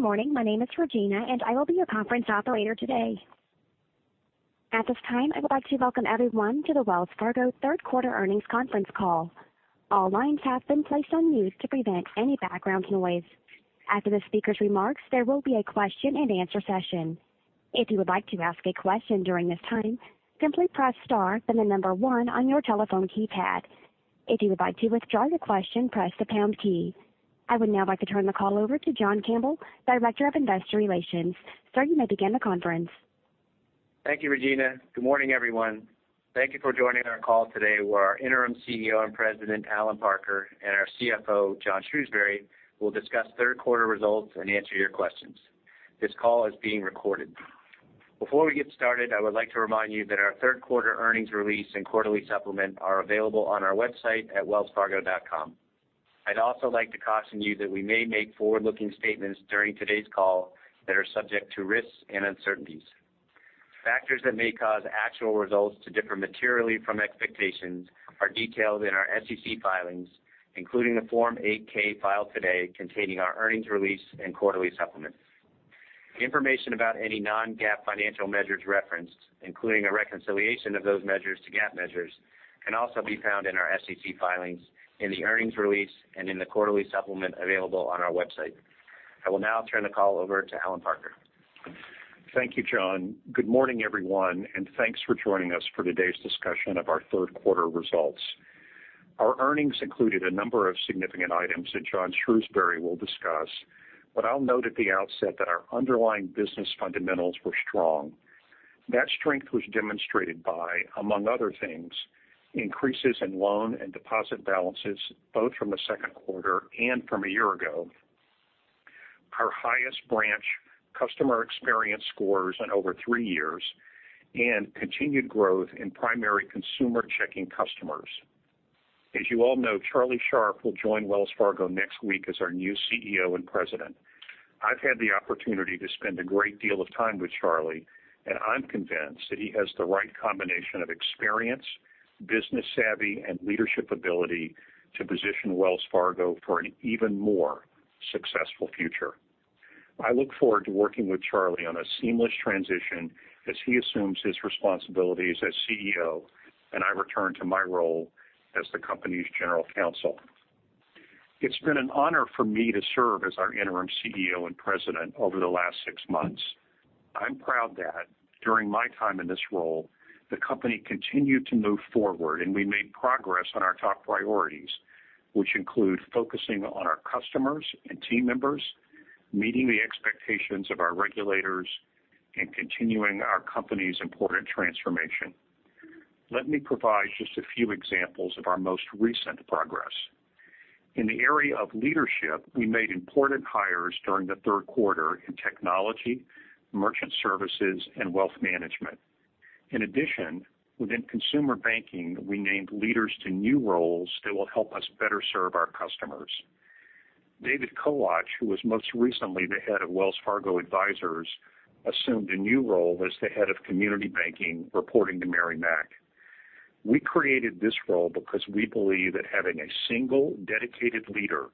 Good morning. My name is Regina, I will be your conference operator today. At this time, I would like to welcome everyone to the Wells Fargo third quarter earnings conference call. All lines have been placed on mute to prevent any background noise. After the speaker's remarks, there will be a question-and-answer session. If you would like to ask a question during this time, simply press star, then the number one on your telephone keypad. If you would like to withdraw your question, press the pound key. I would now like to turn the call over to John Campbell, Director of Investor Relations. Sir, you may begin the conference. Thank you, Regina. Good morning, everyone. Thank you for joining our call today, where our Interim CEO and President, Allen Parker, and our CFO, John Shrewsberry, will discuss third quarter results and answer your questions. This call is being recorded. Before we get started, I would like to remind you that our third quarter earnings release and quarterly supplement are available on our website at wellsfargo.com. I'd also like to caution you that we may make forward-looking statements during today's call that are subject to risks and uncertainties. Factors that may cause actual results to differ materially from expectations are detailed in our SEC filings, including the Form 8-K filed today containing our earnings release and quarterly supplement. Information about any non-GAAP financial measures referenced, including a reconciliation of those measures to GAAP measures, can also be found in our SEC filings, in the earnings release, and in the quarterly supplement available on our website. I will now turn the call over to Allen Parker. Thank you, John. Good morning, everyone, and thanks for joining us for today's discussion of our third quarter results. Our earnings included a number of significant items that John Shrewsberry will discuss, but I'll note at the outset that our underlying business fundamentals were strong. That strength was demonstrated by, among other things, increases in loan and deposit balances, both from the second quarter and from a year ago, our highest branch customer experience scores in over three years, and continued growth in primary consumer checking customers. As you all know, Charlie Scharf will join Wells Fargo next week as our new CEO and President. I've had the opportunity to spend a great deal of time with Charlie, and I'm convinced that he has the right combination of experience, business savvy, and leadership ability to position Wells Fargo for an even more successful future. I look forward to working with Charlie on a seamless transition as he assumes his responsibilities as CEO and I return to my role as the company's General Counsel. It's been an honor for me to serve as our Interim CEO and President over the last six months. I'm proud that during my time in this role, the company continued to move forward, and we made progress on our top priorities, which include focusing on our customers and team members, meeting the expectations of our regulators, and continuing our company's important transformation. Let me provide just a few examples of our most recent progress. In the area of leadership, we made important hires during the third quarter in technology, merchant services, and wealth management. In addition, within consumer banking, we named leaders to new roles that will help us better serve our customers. David Kowach, who was most recently the Head of Wells Fargo Advisors, assumed a new role as the Head of Community Banking, reporting to Mary Mack. We created this role because we believe that having a single dedicated leader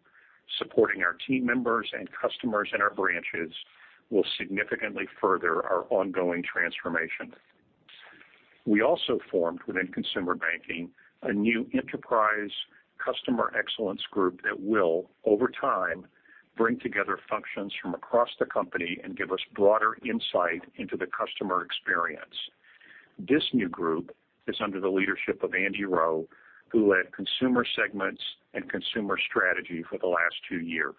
supporting our team members and customers in our branches will significantly further our ongoing transformation. We also formed, within consumer banking, a new Enterprise Customer Excellence Group that will, over time, bring together functions from across the company and give us broader insight into the customer experience. This new group is under the leadership of Andy Rowe, who led Consumer segments and Consumer strategy for the last two years.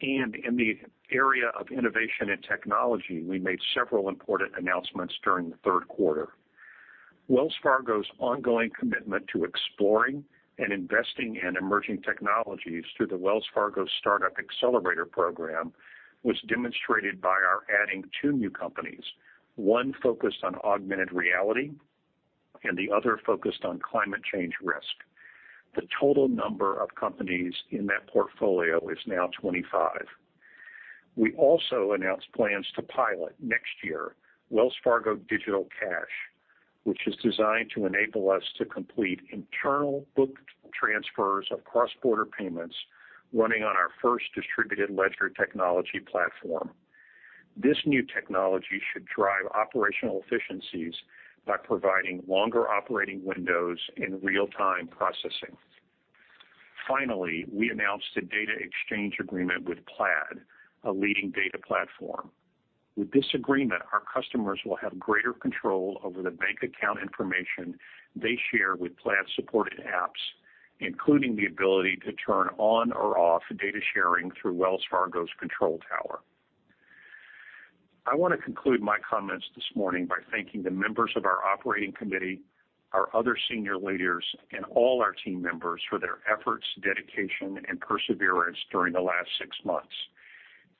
In the area of innovation and technology, we made several important announcements during the third quarter. Wells Fargo's ongoing commitment to exploring and investing in emerging technologies through the Wells Fargo Startup Accelerator program was demonstrated by our adding two new companies, one focused on augmented reality and the other focused on climate change risk. The total number of companies in that portfolio is now 25. We also announced plans to pilot next year Wells Fargo Digital Cash, which is designed to enable us to complete internal booked transfers of cross-border payments running on our first distributed ledger technology platform. This new technology should drive operational efficiencies by providing longer operating windows and real-time processing. Finally, we announced a data exchange agreement with Plaid, a leading data platform. With this agreement, our customers will have greater control over the bank account information they share with Plaid-supported apps, including the ability to turn on or off data sharing through Wells Fargo's Control Tower. I want to conclude my comments this morning by thanking the members of our operating committee, our other senior leaders, and all our team members for their efforts, dedication, and perseverance during the last six months.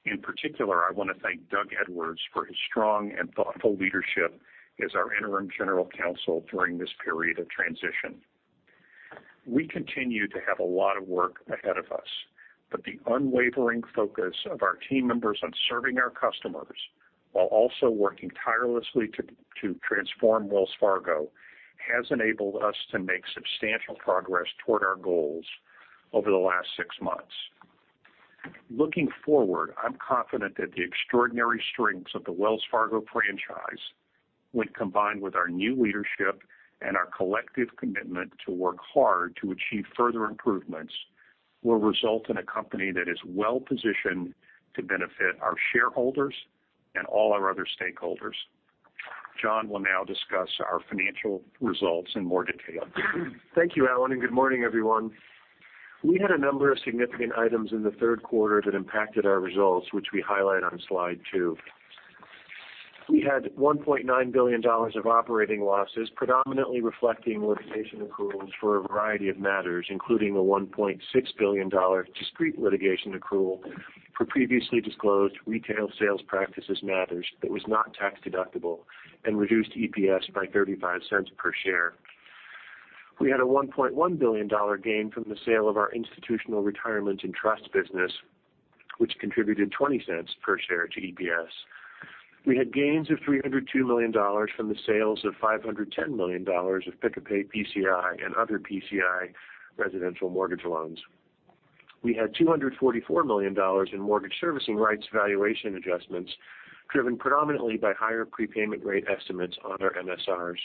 In particular, I want to thank Doug Edwards for his strong and thoughtful leadership as our interim General Counsel during this period of transition. We continue to have a lot of work ahead of us. The unwavering focus of our team members on serving our customers while also working tirelessly to transform Wells Fargo has enabled us to make substantial progress toward our goals over the last six months. Looking forward, I'm confident that the extraordinary strengths of the Wells Fargo franchise, when combined with our new leadership and our collective commitment to work hard to achieve further improvements, will result in a company that is well-positioned to benefit our shareholders and all our other stakeholders. John will now discuss our financial results in more detail. Thank you, Allen, and good morning, everyone. We had a number of significant items in the third quarter that impacted our results, which we highlight on slide two. We had $1.9 billion of operating losses, predominantly reflecting litigation accruals for a variety of matters, including a $1.6 billion discrete litigation accrual for previously disclosed retail sales practices matters that was not tax-deductible and reduced EPS by $0.35 per share. We had a $1.1 billion gain from the sale of our Institutional Retirement and Trust business, which contributed $0.20 per share to EPS. We had gains of $302 million from the sales of $510 million of pick-a-pay PCI and other PCI residential mortgage loans. We had $244 million in mortgage servicing rights valuation adjustments, driven predominantly by higher prepayment rate estimates on our MSRs.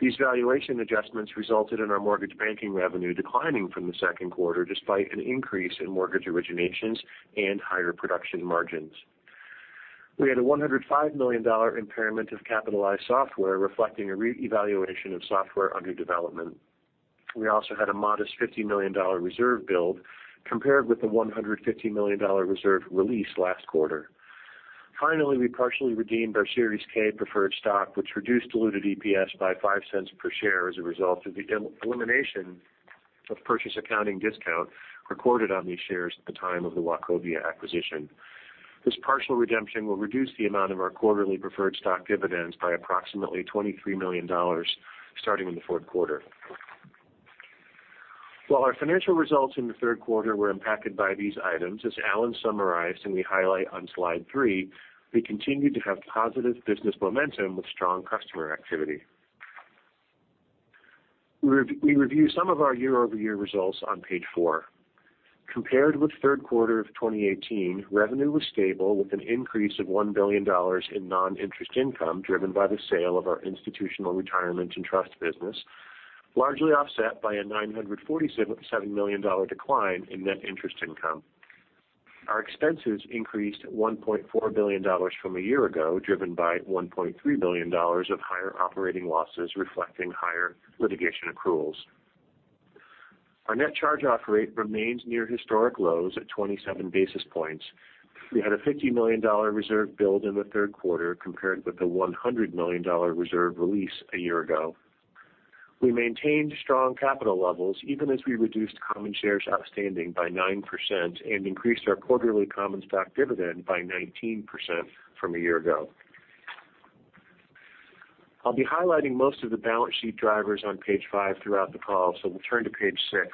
These valuation adjustments resulted in our mortgage banking revenue declining from the second quarter, despite an increase in mortgage originations and higher production margins. We had a $105 million impairment of capitalized software, reflecting a reevaluation of software under development. We also had a modest $50 million reserve build compared with the $150 million reserve release last quarter. Finally, we partially redeemed our Series K preferred stock, which reduced diluted EPS by $0.05 per share as a result of the elimination of purchase accounting discount recorded on these shares at the time of the Wachovia acquisition. This partial redemption will reduce the amount of our quarterly preferred stock dividends by approximately $23 million, starting in the fourth quarter. While our financial results in the third quarter were impacted by these items, as Allen summarized and we highlight on slide three, we continued to have positive business momentum with strong customer activity. We review some of our year-over-year results on page four. Compared with third quarter of 2018, revenue was stable with an increase of $1 billion in non-interest income, driven by the sale of our Institutional Retirement and Trust business, largely offset by a $947 million decline in net interest income. Our expenses increased $1.4 billion from a year ago, driven by $1.3 billion of higher operating losses reflecting higher litigation accruals. Our net charge-off rate remains near historic lows at 27 basis points. We had a $50 million reserve build in the third quarter compared with the $100 million reserve release a year ago. We maintained strong capital levels even as we reduced common shares outstanding by 9% and increased our quarterly common stock dividend by 19% from a year ago. I will be highlighting most of the balance sheet drivers on page five throughout the call, so we will turn to page six.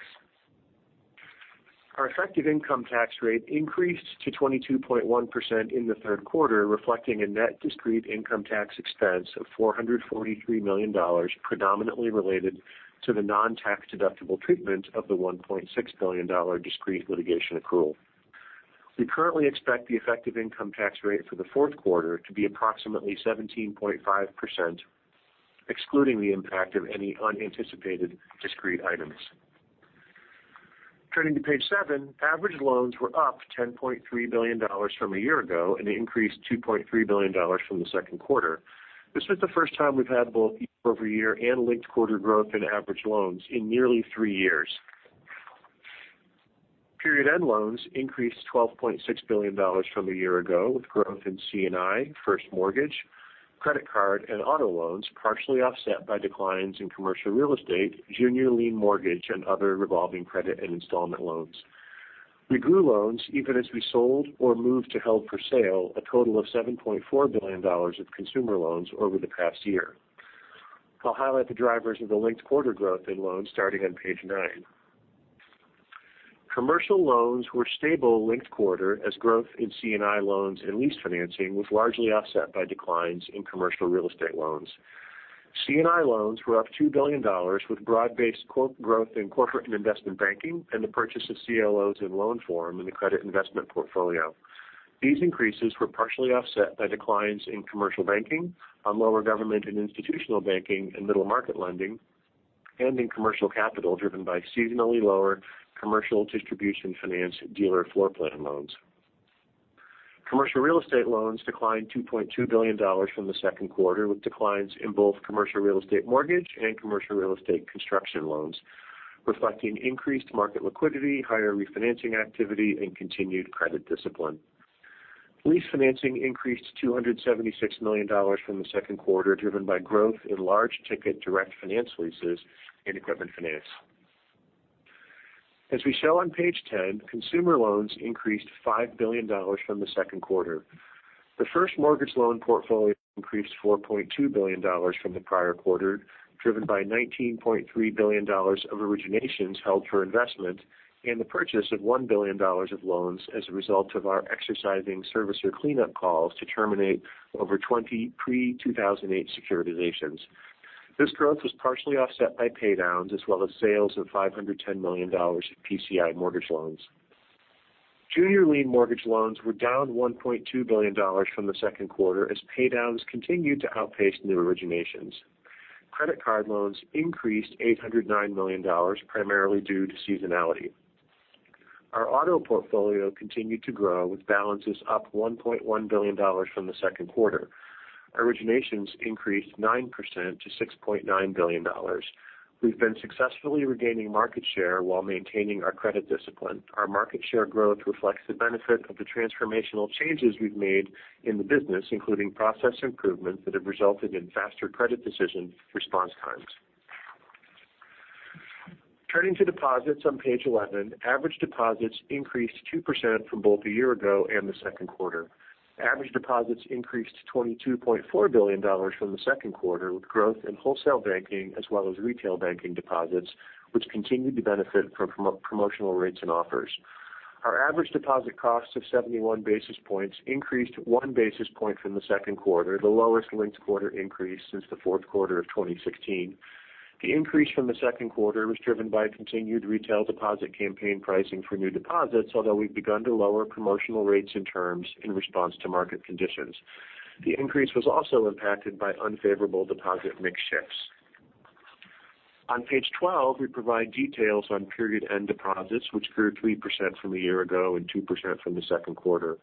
Our effective income tax rate increased to 22.1% in the third quarter, reflecting a net discrete income tax expense of $443 million, predominantly related to the non-tax-deductible treatment of the $1.6 billion discrete litigation accrual. We currently expect the effective income tax rate for the fourth quarter to be approximately 17.5%, excluding the impact of any unanticipated discrete items. Turning to page seven, average loans were up $10.3 billion from a year ago and increased $2.3 billion from the second quarter. This was the first time we have had both year-over-year and linked-quarter growth in average loans in nearly three years. Period-end loans increased $12.6 billion from a year ago, with growth in C&I, first mortgage, credit card, and auto loans, partially offset by declines in commercial real estate, junior lien mortgage, and other revolving credit and installment loans. We grew loans even as we sold or moved to held for sale a total of $7.4 billion of consumer loans over the past year. I'll highlight the drivers of the linked-quarter growth in loans starting on page nine. Commercial loans were stable linked-quarter as growth in C&I loans and lease financing was largely offset by declines in commercial real estate loans. C&I loans were up $2 billion, with broad-based growth in corporate and investment banking and the purchase of CLOs in loan form in the credit investment portfolio. These increases were partially offset by declines in Commercial Banking, on lower Government and Institutional Banking and Middle Market Lending, and in Commercial Capital, driven by seasonally lower Commercial Distribution Finance dealer floorplan loans. Commercial Real Estate loans declined $2.2 billion from the second quarter, with declines in both Commercial Real Estate mortgage and Commercial Real Estate construction loans, reflecting increased market liquidity, higher refinancing activity, and continued credit discipline. Lease financing increased $276 million from the second quarter, driven by growth in large-ticket direct finance leases and Equipment Finance. As we show on page 10, consumer loans increased $5 billion from the second quarter. The first mortgage loan portfolio increased $4.2 billion from the prior quarter, driven by $19.3 billion of originations held for investment and the purchase of $1 billion of loans as a result of our exercising servicer cleanup calls to terminate over 20 pre-2008 securitizations. This growth was partially offset by pay downs as well as sales of $510 million of PCI mortgage loans. Junior lien mortgage loans were down $1.2 billion from the second quarter as pay downs continued to outpace new originations. Credit card loans increased $809 million, primarily due to seasonality. Our auto portfolio continued to grow with balances up $1.1 billion from the second quarter. Originations increased 9% to $6.9 billion. We've been successfully regaining market share while maintaining our credit discipline. Our market share growth reflects the benefit of the transformational changes we've made in the business, including process improvements that have resulted in faster credit decision response times. Turning to deposits on page 11, average deposits increased 2% from both a year ago and the second quarter. Average deposits increased to $22.4 billion from the second quarter, with growth in Wholesale Banking as well as Retail Banking deposits, which continued to benefit from promotional rates and offers. Our average deposit costs of 71 basis points increased 1 basis point from the second quarter, the lowest linked quarter increase since the fourth quarter of 2016. The increase from the second quarter was driven by continued Retail deposit campaign pricing for new deposits, although we've begun to lower promotional rates and terms in response to market conditions. The increase was also impacted by unfavorable deposit mix shifts. On page 12, we provide details on period-end deposits, which grew 3% from a year ago and 2% from the second quarter.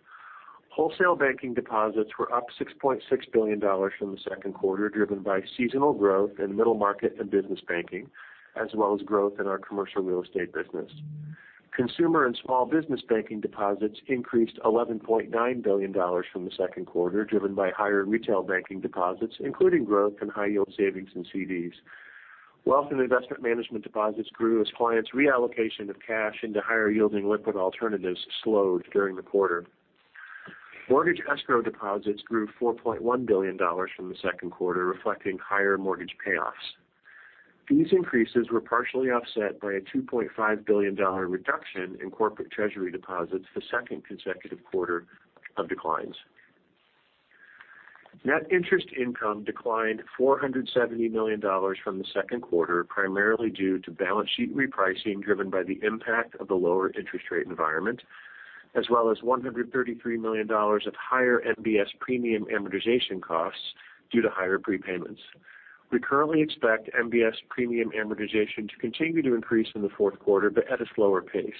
Wholesale Banking deposits were up $6.6 billion from the second quarter, driven by seasonal growth in middle market and business banking, as well as growth in our Commercial Real Estate business. Consumer and Small Business Banking deposits increased $11.9 billion from the second quarter, driven by higher retail banking deposits, including growth in high-yield savings and CDs. Wealth and Investment Management deposits grew as clients' reallocation of cash into higher-yielding liquid alternatives slowed during the quarter. Mortgage escrow deposits grew $4.1 billion from the second quarter, reflecting higher mortgage payoffs. These increases were partially offset by a $2.5 billion reduction in corporate treasury deposits, the second consecutive quarter of declines. Net interest income declined $470 million from the second quarter, primarily due to balance sheet repricing driven by the impact of the lower interest rate environment, as well as $133 million of higher MBS premium amortization costs due to higher prepayments. We currently expect MBS premium amortization to continue to increase in the fourth quarter, but at a slower pace.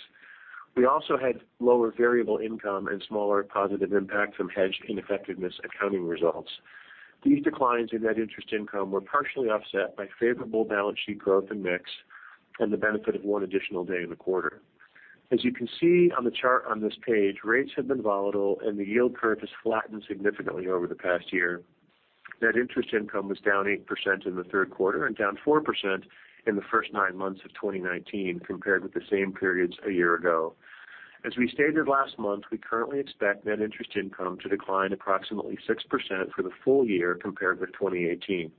We also had lower variable income and smaller positive impact from hedge ineffectiveness accounting results. These declines in net interest income were partially offset by favorable balance sheet growth and mix and the benefit of one additional day in the quarter. As you can see on the chart on this page, rates have been volatile and the yield curve has flattened significantly over the past year. Net interest income was down 8% in the third quarter and down 4% in the first nine months of 2019 compared with the same periods a year ago. As we stated last month, we currently expect net interest income to decline approximately 6% for the full year compared with 2018.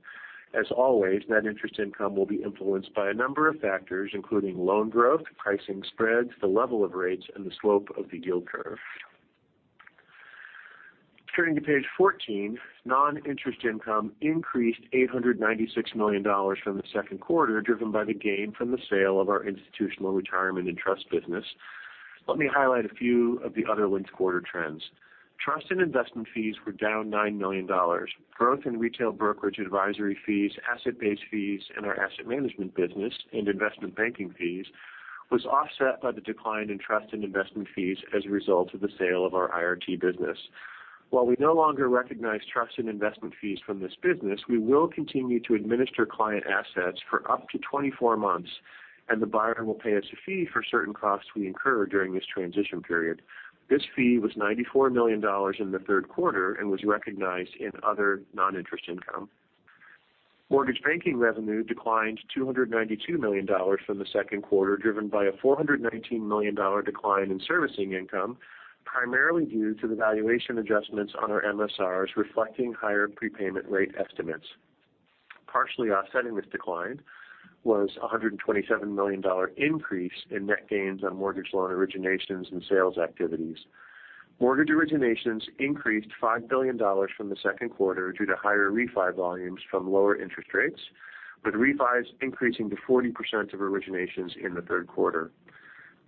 As always, net interest income will be influenced by a number of factors, including loan growth, pricing spreads, the level of rates, and the slope of the yield curve. Turning to page 14, non-interest income increased $896 million from the second quarter, driven by the gain from the sale of our institutional retirement and trust business. Let me highlight a few of the other linked quarter trends. Trust and investment fees were down $9 million. Growth in retail brokerage advisory fees, asset-based fees in our Asset Management business, and investment banking fees was offset by the decline in trust and investment fees as a result of the sale of our IRT business. While we no longer recognize trust and investment fees from this business, we will continue to administer client assets for up to 24 months, and the buyer will pay us a fee for certain costs we incur during this transition period. This fee was $94 million in the third quarter and was recognized in other non-interest income. Mortgage banking revenue declined $292 million from the second quarter, driven by a $419 million decline in servicing income, primarily due to the valuation adjustments on our MSRs reflecting higher prepayment rate estimates. Partially offsetting this decline was a $127 million increase in net gains on mortgage loan originations and sales activities. Mortgage originations increased $5 billion from the second quarter due to higher refi volumes from lower interest rates, with refis increasing to 40% of originations in the third quarter.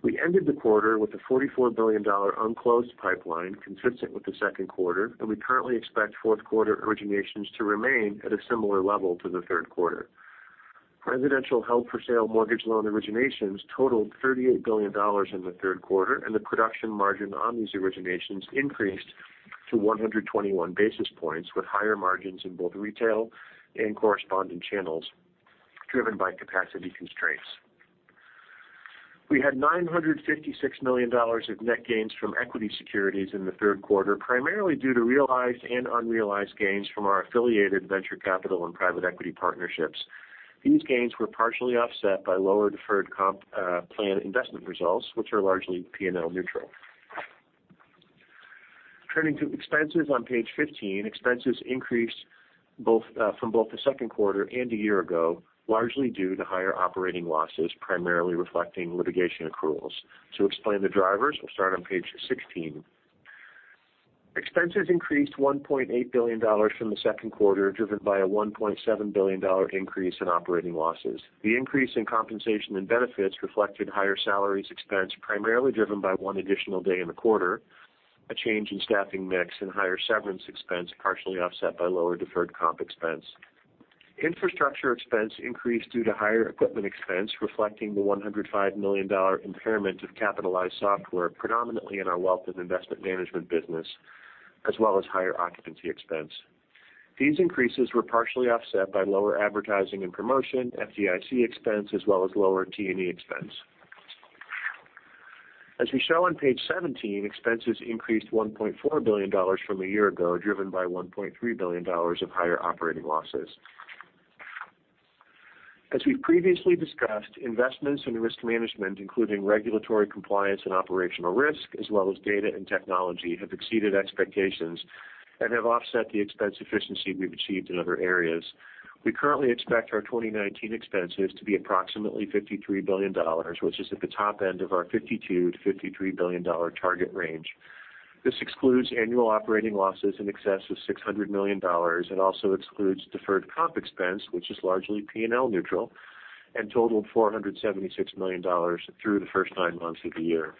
We ended the quarter with a $44 billion unclosed pipeline consistent with the second quarter, and we currently expect fourth quarter originations to remain at a similar level to the third quarter. Residential held-for-sale mortgage loan originations totaled $38 billion in the third quarter, and the production margin on these originations increased to 121 basis points, with higher margins in both retail and correspondent channels driven by capacity constraints. We had $956 million of net gains from equity securities in the third quarter, primarily due to realized and unrealized gains from our affiliated venture capital and private equity partnerships. These gains were partially offset by lower deferred comp plan investment results, which are largely P&L neutral. Turning to expenses on page 15, expenses increased from both the second quarter and a year ago, largely due to higher operating losses, primarily reflecting litigation accruals. To explain the drivers, we'll start on page 16. Expenses increased $1.8 billion from the second quarter, driven by a $1.7 billion increase in operating losses. The increase in compensation and benefits reflected higher salaries expense, primarily driven by one additional day in the quarter, a change in staffing mix, and higher severance expense, partially offset by lower deferred comp expense. Infrastructure expense increased due to higher equipment expense, reflecting the $105 million impairment of capitalized software predominantly in our Wealth and Investment Management business, as well as higher occupancy expense. These increases were partially offset by lower advertising and promotion, FDIC expense, as well as lower T&E expense. As we show on page 17, expenses increased $1.4 billion from a year ago, driven by $1.3 billion of higher operating losses. As we've previously discussed, investments in risk management, including regulatory compliance and operational risk, as well as data and technology, have exceeded expectations and have offset the expense efficiency we've achieved in other areas. We currently expect our 2019 expenses to be approximately $53 billion, which is at the top end of our $52 billion-$53 billion target range. This excludes annual operating losses in excess of $600 million and also excludes deferred comp expense, which is largely P&L neutral and totaled $476 million through the first nine months of the year.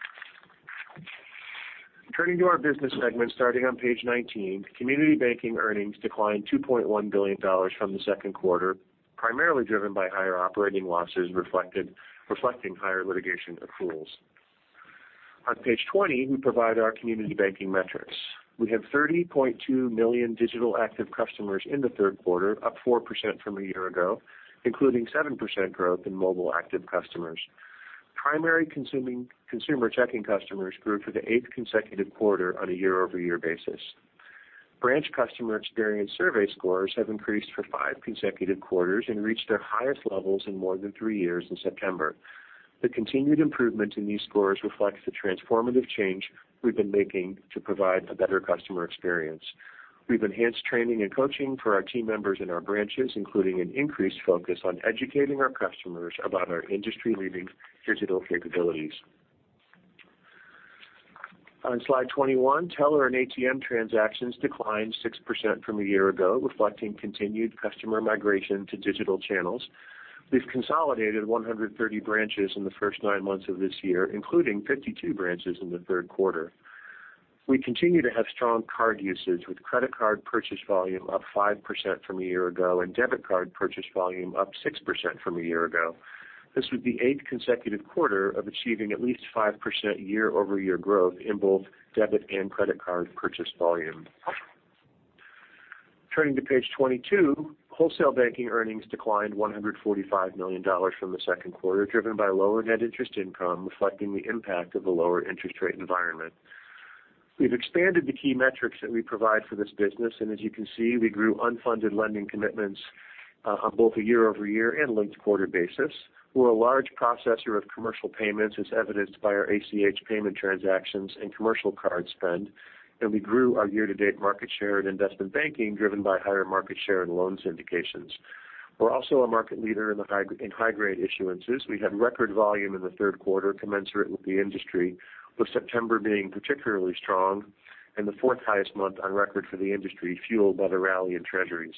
Turning to our business segments, starting on page 19. Community Banking earnings declined $2.1 billion from the second quarter, primarily driven by higher operating losses reflecting higher litigation accruals. On page 20, we provide our Community Banking metrics. We have 30.2 million digital active customers in the third quarter, up 4% from a year ago, including 7% growth in mobile active customers. Primary consumer checking customers grew for the eighth consecutive quarter on a year-over-year basis. Branch customer experience survey scores have increased for five consecutive quarters and reached their highest levels in more than three years in September. The continued improvement in these scores reflects the transformative change we've been making to provide a better customer experience. We've enhanced training and coaching for our team members in our branches, including an increased focus on educating our customers about our industry-leading digital capabilities. On slide 21, teller and ATM transactions declined 6% from a year ago, reflecting continued customer migration to digital channels. We've consolidated 130 branches in the first nine months of this year, including 52 branches in the third quarter. We continue to have strong card usage with credit card purchase volume up 5% from a year ago and debit card purchase volume up 6% from a year ago. This was the eighth consecutive quarter of achieving at least 5% year-over-year growth in both debit and credit card purchase volume. Turning to page 22. Wholesale Banking earnings declined $145 million from the second quarter, driven by lower net interest income, reflecting the impact of the lower interest rate environment. As you can see, we've expanded the key metrics that we provide for this business, we grew unfunded lending commitments on both a year-over-year and linked quarter basis. We're a large processor of commercial payments, as evidenced by our ACH payment transactions and commercial card spend. We grew our year-to-date market share in investment banking driven by higher market share in loan syndications. We're also a market leader in high-grade issuances. We had record volume in the third quarter commensurate with the industry, with September being particularly strong and the fourth highest month on record for the industry, fueled by the rally in Treasuries.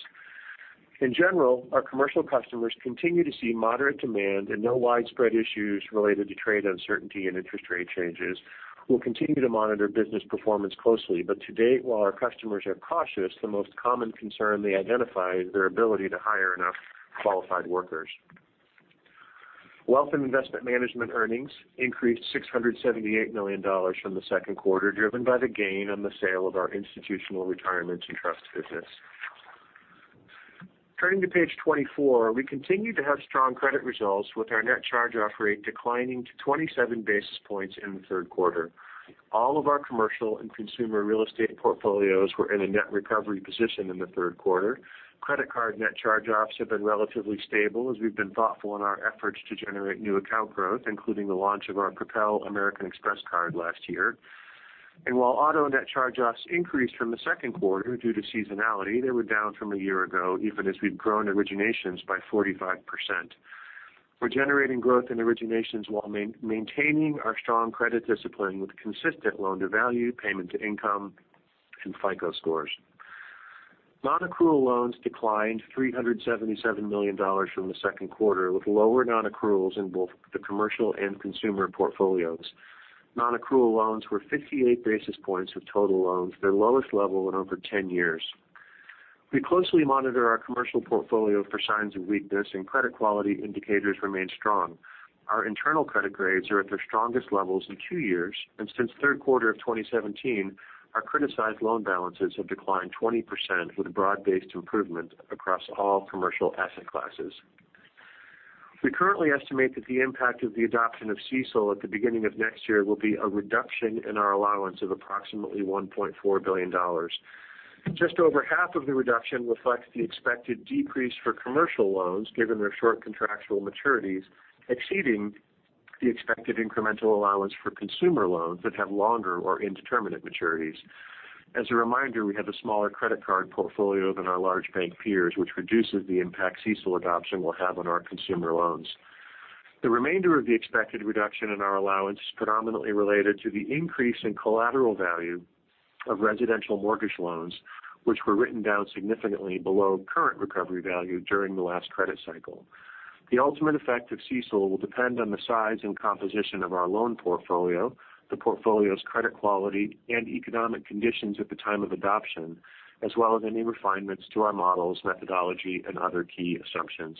In general, our commercial customers continue to see moderate demand and no widespread issues related to trade uncertainty and interest rate changes. We'll continue to monitor business performance closely. To date, while our customers are cautious, the most common concern they identify is their ability to hire enough qualified workers. Wealth and investment management earnings increased $678 million from the second quarter, driven by the gain on the sale of our Institutional Retirement and Trust business. Turning to page 24. We continue to have strong credit results with our net charge-off rate declining to 27 basis points in the third quarter. All of our commercial and consumer real estate portfolios were in a net recovery position in the third quarter. Credit card net charge-offs have been relatively stable as we've been thoughtful in our efforts to generate new account growth, including the launch of our Propel American Express Card last year. While auto net charge-offs increased from the second quarter due to seasonality, they were down from a year ago, even as we've grown originations by 45%. We're generating growth in originations while maintaining our strong credit discipline with consistent loan-to-value, payment to income, and FICO scores. Non-accrual loans declined $377 million from the second quarter, with lower non-accruals in both the commercial and consumer portfolios. Non-accrual loans were 58 basis points of total loans, their lowest level in over 10 years. We closely monitor our commercial portfolio for signs of weakness, and credit quality indicators remain strong. Our internal credit grades are at their strongest levels in two years, and since the third quarter of 2017, our criticized loan balances have declined 20% with broad-based improvement across all commercial asset classes. We currently estimate that the impact of the adoption of CECL at the beginning of next year will be a reduction in our allowance of approximately $1.4 billion. Just over half of the reduction reflects the expected decrease for commercial loans given their short contractual maturities, exceeding the expected incremental allowance for consumer loans that have longer or indeterminate maturities. As a reminder, we have a smaller credit card portfolio than our large bank peers, which reduces the impact CECL adoption will have on our consumer loans. The remainder of the expected reduction in our allowance is predominantly related to the increase in collateral value of residential mortgage loans, which were written down significantly below current recovery value during the last credit cycle. The ultimate effect of CECL will depend on the size and composition of our loan portfolio, the portfolio's credit quality, and economic conditions at the time of adoption, as well as any refinements to our models, methodology, and other key assumptions.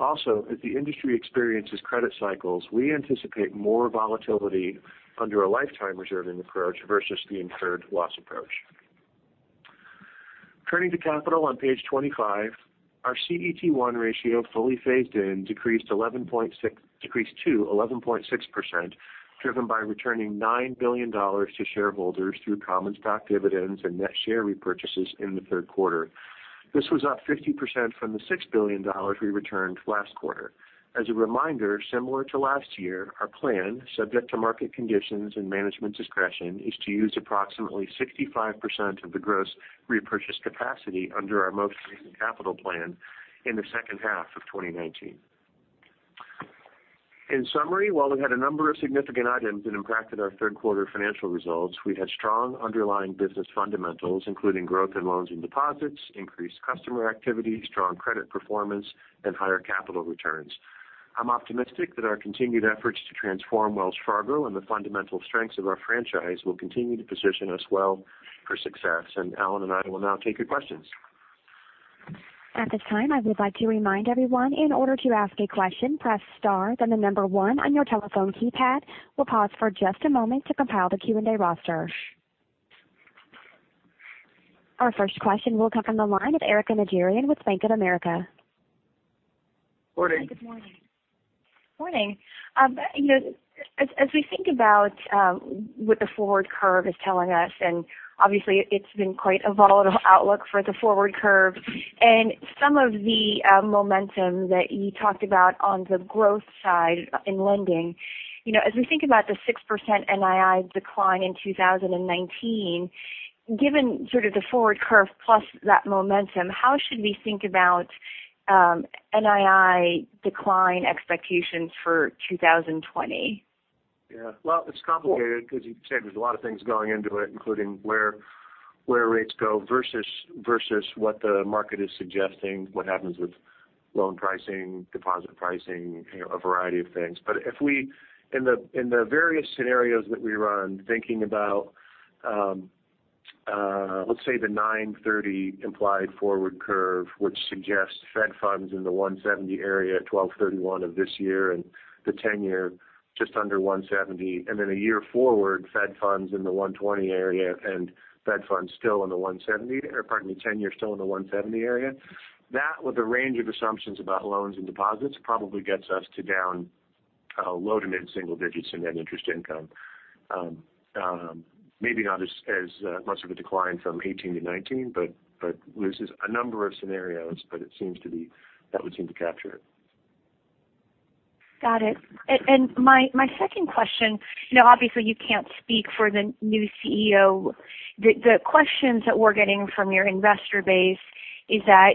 As the industry experiences credit cycles, we anticipate more volatility under a lifetime reserving approach versus the incurred loss approach. Turning to capital on page 25, our CET1 ratio fully phased in decreased to 11.6%, driven by returning $9 billion to shareholders through common stock dividends and net share repurchases in the third quarter. This was up 50% from the $6 billion we returned last quarter. As a reminder, similar to last year, our plan, subject to market conditions and management discretion, is to use approximately 65% of the gross repurchase capacity under our most recent capital plan in the second half of 2019. In summary, while we had a number of significant items that impacted our third quarter financial results, we had strong underlying business fundamentals, including growth in loans and deposits, increased customer activity, strong credit performance, and higher capital returns. I'm optimistic that our continued efforts to transform Wells Fargo and the fundamental strengths of our franchise will continue to position us well for success. Allen and I will now take your questions. At this time, I would like to remind everyone, in order to ask a question, press star, then the number one on your telephone keypad. We'll pause for just a moment to compile the Q&A roster. Our first question will come from the line of Erika Najarian with Bank of America. Good morning. Good morning. As we think about what the forward curve is telling us, obviously it's been quite a volatile outlook for the forward curve, and some of the momentum that you talked about on the growth side in lending. As we think about the 6% NII decline in 2019, given sort of the forward curve plus that momentum, how should we think about NII decline expectations for 2020? Yeah. Well, it's complicated because you said there's a lot of things going into it, including where rates go versus what the market is suggesting, what happens with loan pricing, deposit pricing, a variety of things. In the various scenarios that we run, thinking about, let's say, the 9.30 implied forward curve, which suggests Fed funds in the 170 area at 12/31 of this year and the 10 year just under 170, and then a year forward, Fed funds in the 120 area, and pardon me, 10 year still in the 170 area. That, with a range of assumptions about loans and deposits, probably gets us to down low to mid-single digits in net interest income. Maybe not as much of a decline from 2018 to 2019, but this is a number of scenarios, but that would seem to capture it. Got it. My second question, obviously you can't speak for the new CEO. The questions that we're getting from your investor base is that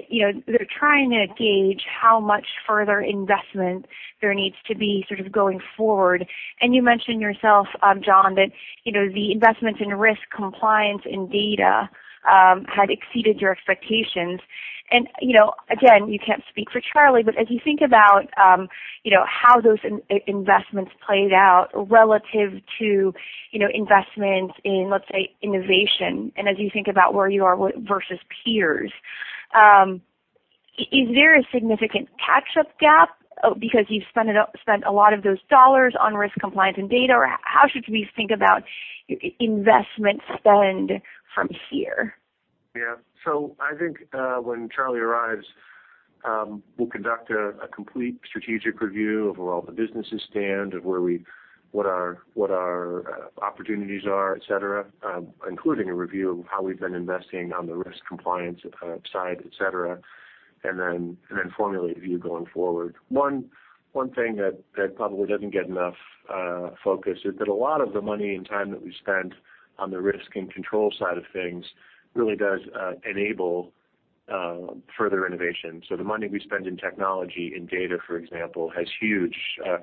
they're trying to gauge how much further investment there needs to be going forward. You mentioned yourself, John, that the investment in risk compliance and data had exceeded your expectations. Again, you can't speak for Charlie, but as you think about how those investments played out relative to investments in, let's say, innovation, and as you think about where you are versus peers, is there a significant catch-up gap because you've spent a lot of those dollars on risk compliance and data? Or how should we think about investment spend from here? Yeah. I think when Charlie arrives, we'll conduct a complete strategic review of where all the businesses stand, of what our opportunities are, et cetera, including a review of how we've been investing on the risk compliance side, et cetera, and then formulate a view going forward. One thing that probably doesn't get enough focus is that a lot of the money and time that we spent on the risk and control side of things really does enable further innovation. The money we spend in technology, in data, for example, has huge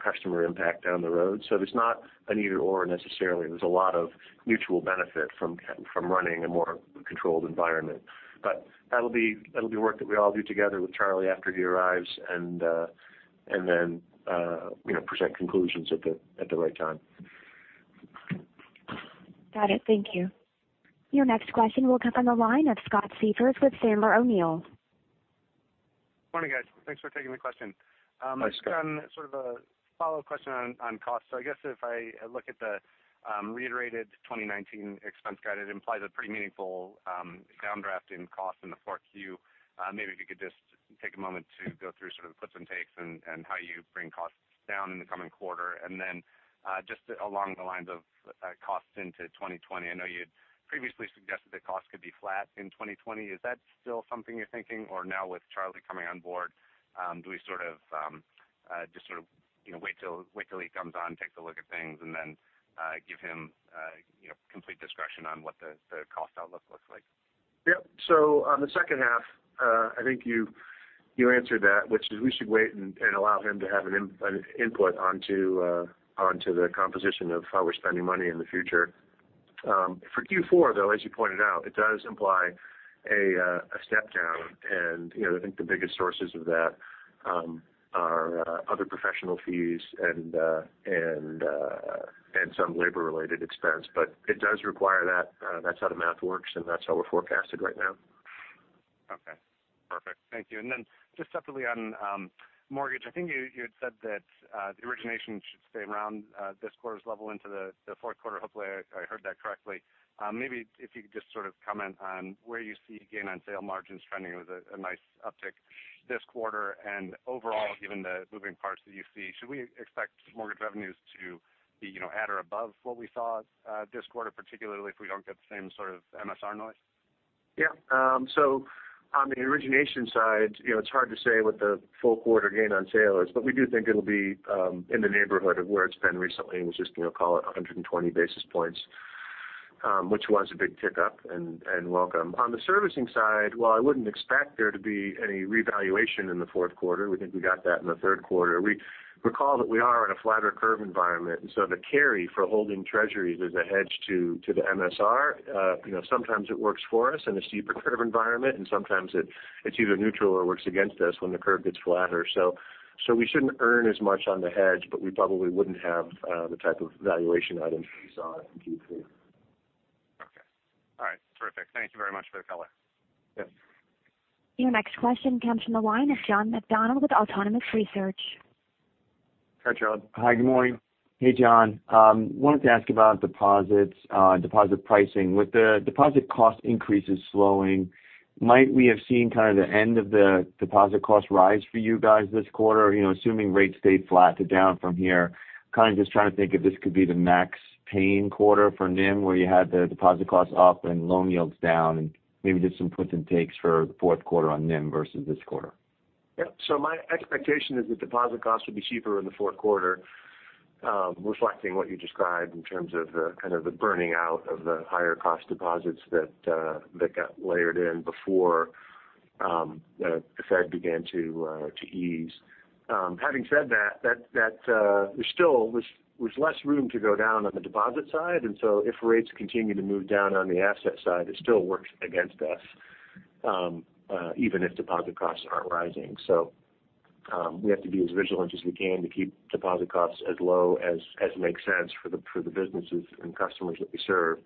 customer impact down the road. There's not an either/or necessarily. There's a lot of mutual benefit from running a more controlled environment. That'll be work that we all do together with Charlie after he arrives, and then present conclusions at the right time. Got it. Thank you. Your next question will come from the line of Scott Siefers with Sandler O'Neill. Good morning, guys. Thanks for taking the question. Hi, Scott. On sort of a follow-up question on costs. I guess if I look at the reiterated 2019 expense guide, it implies a pretty meaningful downdraft in cost in the 4Q. Maybe if you could just take a moment to go through sort of the puts and takes and how you bring costs down in the coming quarter. Then just along the lines of costs into 2020, I know you had previously suggested that costs could be flat in 2020. Is that still something you're thinking? Now with Charlie coming on board, do we just sort of wait till he comes on, takes a look at things, and then give him complete discretion on what the cost outlook looks like? Yep. On the second half, I think you answered that, which is we should wait and allow him to have an input onto the composition of how we're spending money in the future. For Q4, though, as you pointed out, it does imply a step down. I think the biggest sources of that are other professional fees and some labor-related expense. It does require that. That's how the math works, and that's how we're forecasted right now. Okay, perfect. Thank you. Then just separately on mortgage, I think you had said that the origination should stay around this quarter's level into the fourth quarter. Hopefully, I heard that correctly. Maybe if you could just sort of comment on where you see gain on sale margins trending. It was a nice uptick this quarter. Overall, given the moving parts that you see, should we expect mortgage revenues to be at or above what we saw this quarter, particularly if we don't get the same sort of MSR noise? Yeah. On the origination side, it's hard to say what the full quarter gain on sale is. We do think it'll be in the neighborhood of where it's been recently, which is call it 120 basis points, which was a big tick up and welcome. On the servicing side, while I wouldn't expect there to be any revaluation in the fourth quarter, we think we got that in the third quarter. Recall that we are in a flatter curve environment, the carry for holding Treasuries as a hedge to the MSR, sometimes it works for us in a steeper curve environment, and sometimes it's either neutral or works against us when the curve gets flatter. We shouldn't earn as much on the hedge, but we probably wouldn't have the type of valuation items that we saw in Q3. Okay. All right. Terrific. Thank you very much for the color. Yes. Your next question comes from the line of John McDonald with Autonomous Research. Hi, John. Hi, good morning. Hey, John. I wanted to ask about deposits, deposit pricing. With the deposit cost increases slowing, might we have seen kind of the end of the deposit cost rise for you guys this quarter? Assuming rates stay flat to down from here, kind of just trying to think if this could be the max paying quarter for NIM where you had the deposit costs up and loan yields down, and maybe just some puts and takes for the fourth quarter on NIM versus this quarter. Yeah. My expectation is that deposit costs will be cheaper in the fourth quarter, reflecting what you described in terms of the kind of the burning out of the higher cost deposits that got layered in before the Fed began to ease. Having said that, there's still less room to go down on the deposit side. If rates continue to move down on the asset side, it still works against us, even if deposit costs aren't rising. We have to be as vigilant as we can to keep deposit costs as low as makes sense for the businesses and customers that we serve.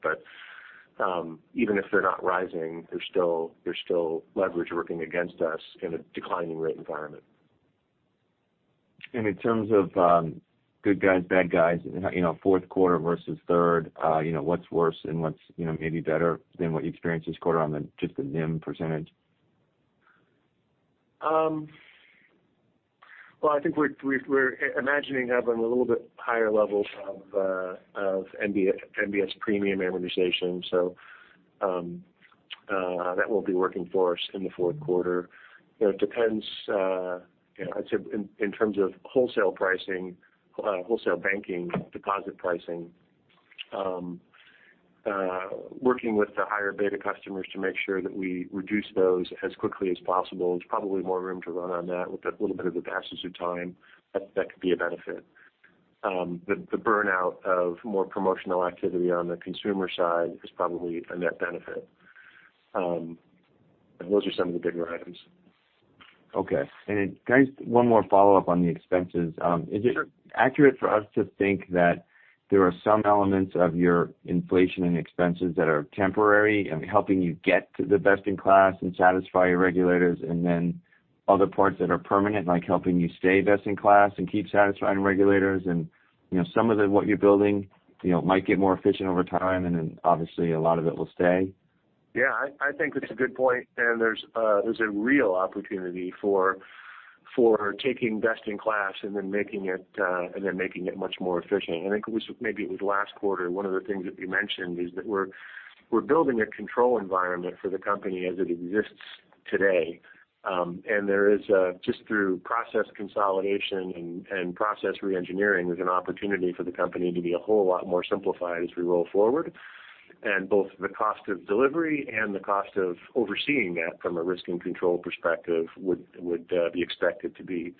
Even if they're not rising, there's still leverage working against us in a declining rate environment. In terms of good guys, bad guys, fourth quarter versus third, what's worse and what's maybe better than what you experienced this quarter on just the NIM percentage? I think we're imagining having a little bit higher levels of MBS premium amortization, so that will be working for us in the fourth quarter. It depends, I'd say in terms of wholesale pricing, wholesale banking deposit pricing, working with the higher beta customers to make sure that we reduce those as quickly as possible. There's probably more room to run on that with a little bit of the passage of time. That could be a benefit. The burnout of more promotional activity on the consumer side is probably a net benefit. Those are some of the bigger items. Okay. Can I just one more follow-up on the expenses? Sure. Is it accurate for us to think that there are some elements of your inflation and expenses that are temporary and helping you get to the best in class and satisfy your regulators, and then other parts that are permanent, like helping you stay best in class and keep satisfying regulators, and some of what you're building might get more efficient over time, and then obviously a lot of it will stay? Yeah, I think that's a good point. There's a real opportunity for taking best in class and then making it much more efficient. I think maybe it was last quarter, one of the things that we mentioned is that we're building a control environment for the company as it exists today. There is, just through process consolidation and process re-engineering, there's an opportunity for the company to be a whole lot more simplified as we roll forward. Both the cost of delivery and the cost of overseeing that from a risk and control perspective would be expected to be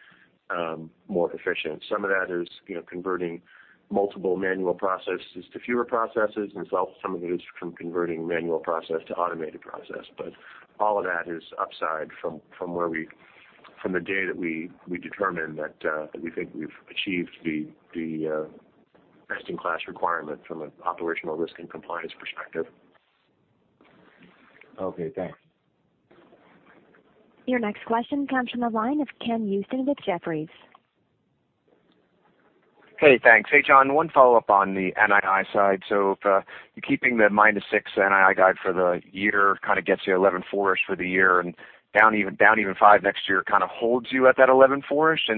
more efficient. Some of that is converting multiple manual processes to fewer processes, and some of it is from converting manual process to automated process. All of that is upside from the day that we determine that we think we've achieved the best-in-class requirement from an operational risk and compliance perspective. Okay, thanks. Your next question comes from the line of Ken Usdin with Jefferies. Hey, thanks. Hey, John, one follow-up on the NII side. If you're keeping the -6% NII guide for the year kind of gets you $11.4-ish for the year and down even five next year kind of holds you at that $11.4-ish.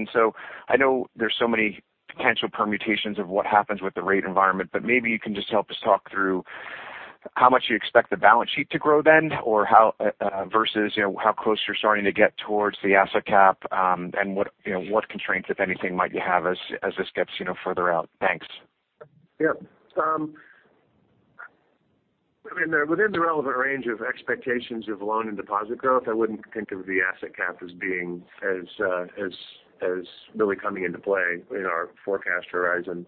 I know there's so many potential permutations of what happens with the rate environment, but maybe you can just help us talk through how much you expect the balance sheet to grow then versus how close you're starting to get towards the asset cap, and what constraints, if anything, might you have as this gets further out. Thanks. Yep. Within the relevant range of expectations of loan and deposit growth, I wouldn't think of the asset cap as really coming into play in our forecast horizon.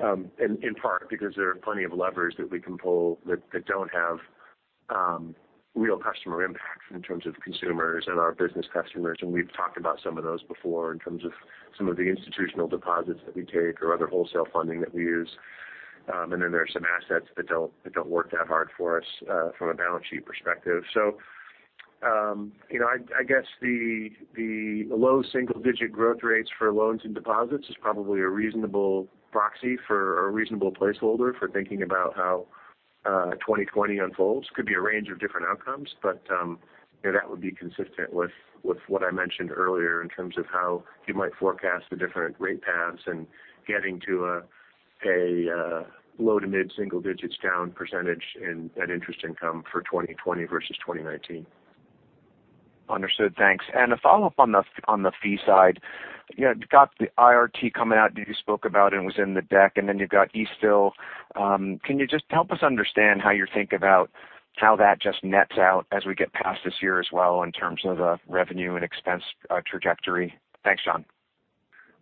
In part because there are plenty of levers that we can pull that don't have real customer impact in terms of consumers and our business customers. We've talked about some of those before in terms of some of the institutional deposits that we take or other wholesale funding that we use. There are some assets that don't work that hard for us from a balance sheet perspective. I guess the low single-digit growth rates for loans and deposits is probably a reasonable proxy for a reasonable placeholder for thinking about how 2020 unfolds. Could be a range of different outcomes. That would be consistent with what I mentioned earlier in terms of how you might forecast the different rate paths and getting to a low- to mid-single digits down % in net interest income for 2020 versus 2019. Understood. Thanks. A follow-up on the fee side. You've got the IRT coming out that you spoke about and was in the deck, then you've got Eastdil. Can you just help us understand how you think about how that just nets out as we get past this year as well in terms of revenue and expense trajectory? Thanks, John.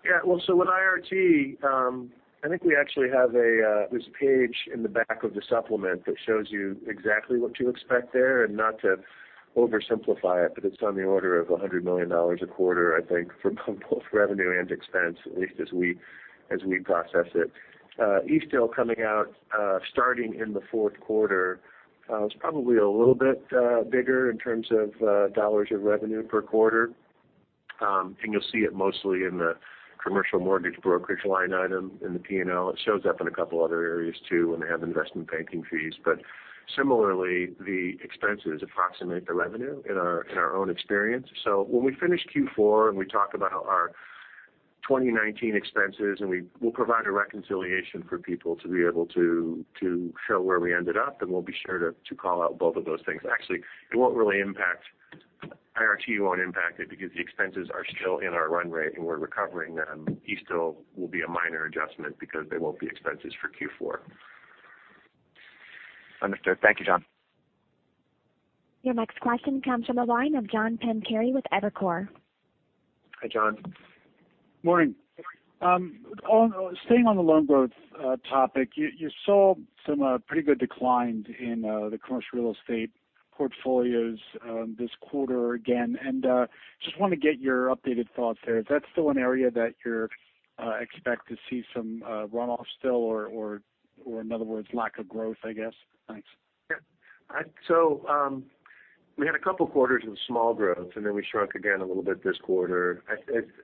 Yeah. Well, with IRT, I think there's a page in the back of the supplement that shows you exactly what to expect there. Not to oversimplify it's on the order of $100 million a quarter, I think, for both revenue and expense, at least as we process it. Eastdil coming out starting in the fourth quarter is probably a little bit bigger in terms of dollars of revenue per quarter. You'll see it mostly in the commercial mortgage brokerage line item in the P&L. It shows up in a couple other areas too when they have investment banking fees. Similarly, the expenses approximate the revenue in our own experience. When we finish Q4 and we talk about our 2019 expenses, and we'll provide a reconciliation for people to be able to show where we ended up, and we'll be sure to call out both of those things. Actually, IRT won't impact it because the expenses are still in our run rate, and we're recovering them. Eastdil will be a minor adjustment because there won't be expenses for Q4. Understood. Thank you, John. Your next question comes from the line of John Pancari with Evercore. Hi, John. Good morning. Staying on the loan growth topic, you saw some pretty good declines in the commercial real estate portfolios this quarter again. Just want to get your updated thoughts there. Is that still an area that you expect to see some runoff still or, in other words, lack of growth, I guess? Thanks. Yeah. We had a couple quarters of small growth, and then we shrunk again a little bit this quarter. As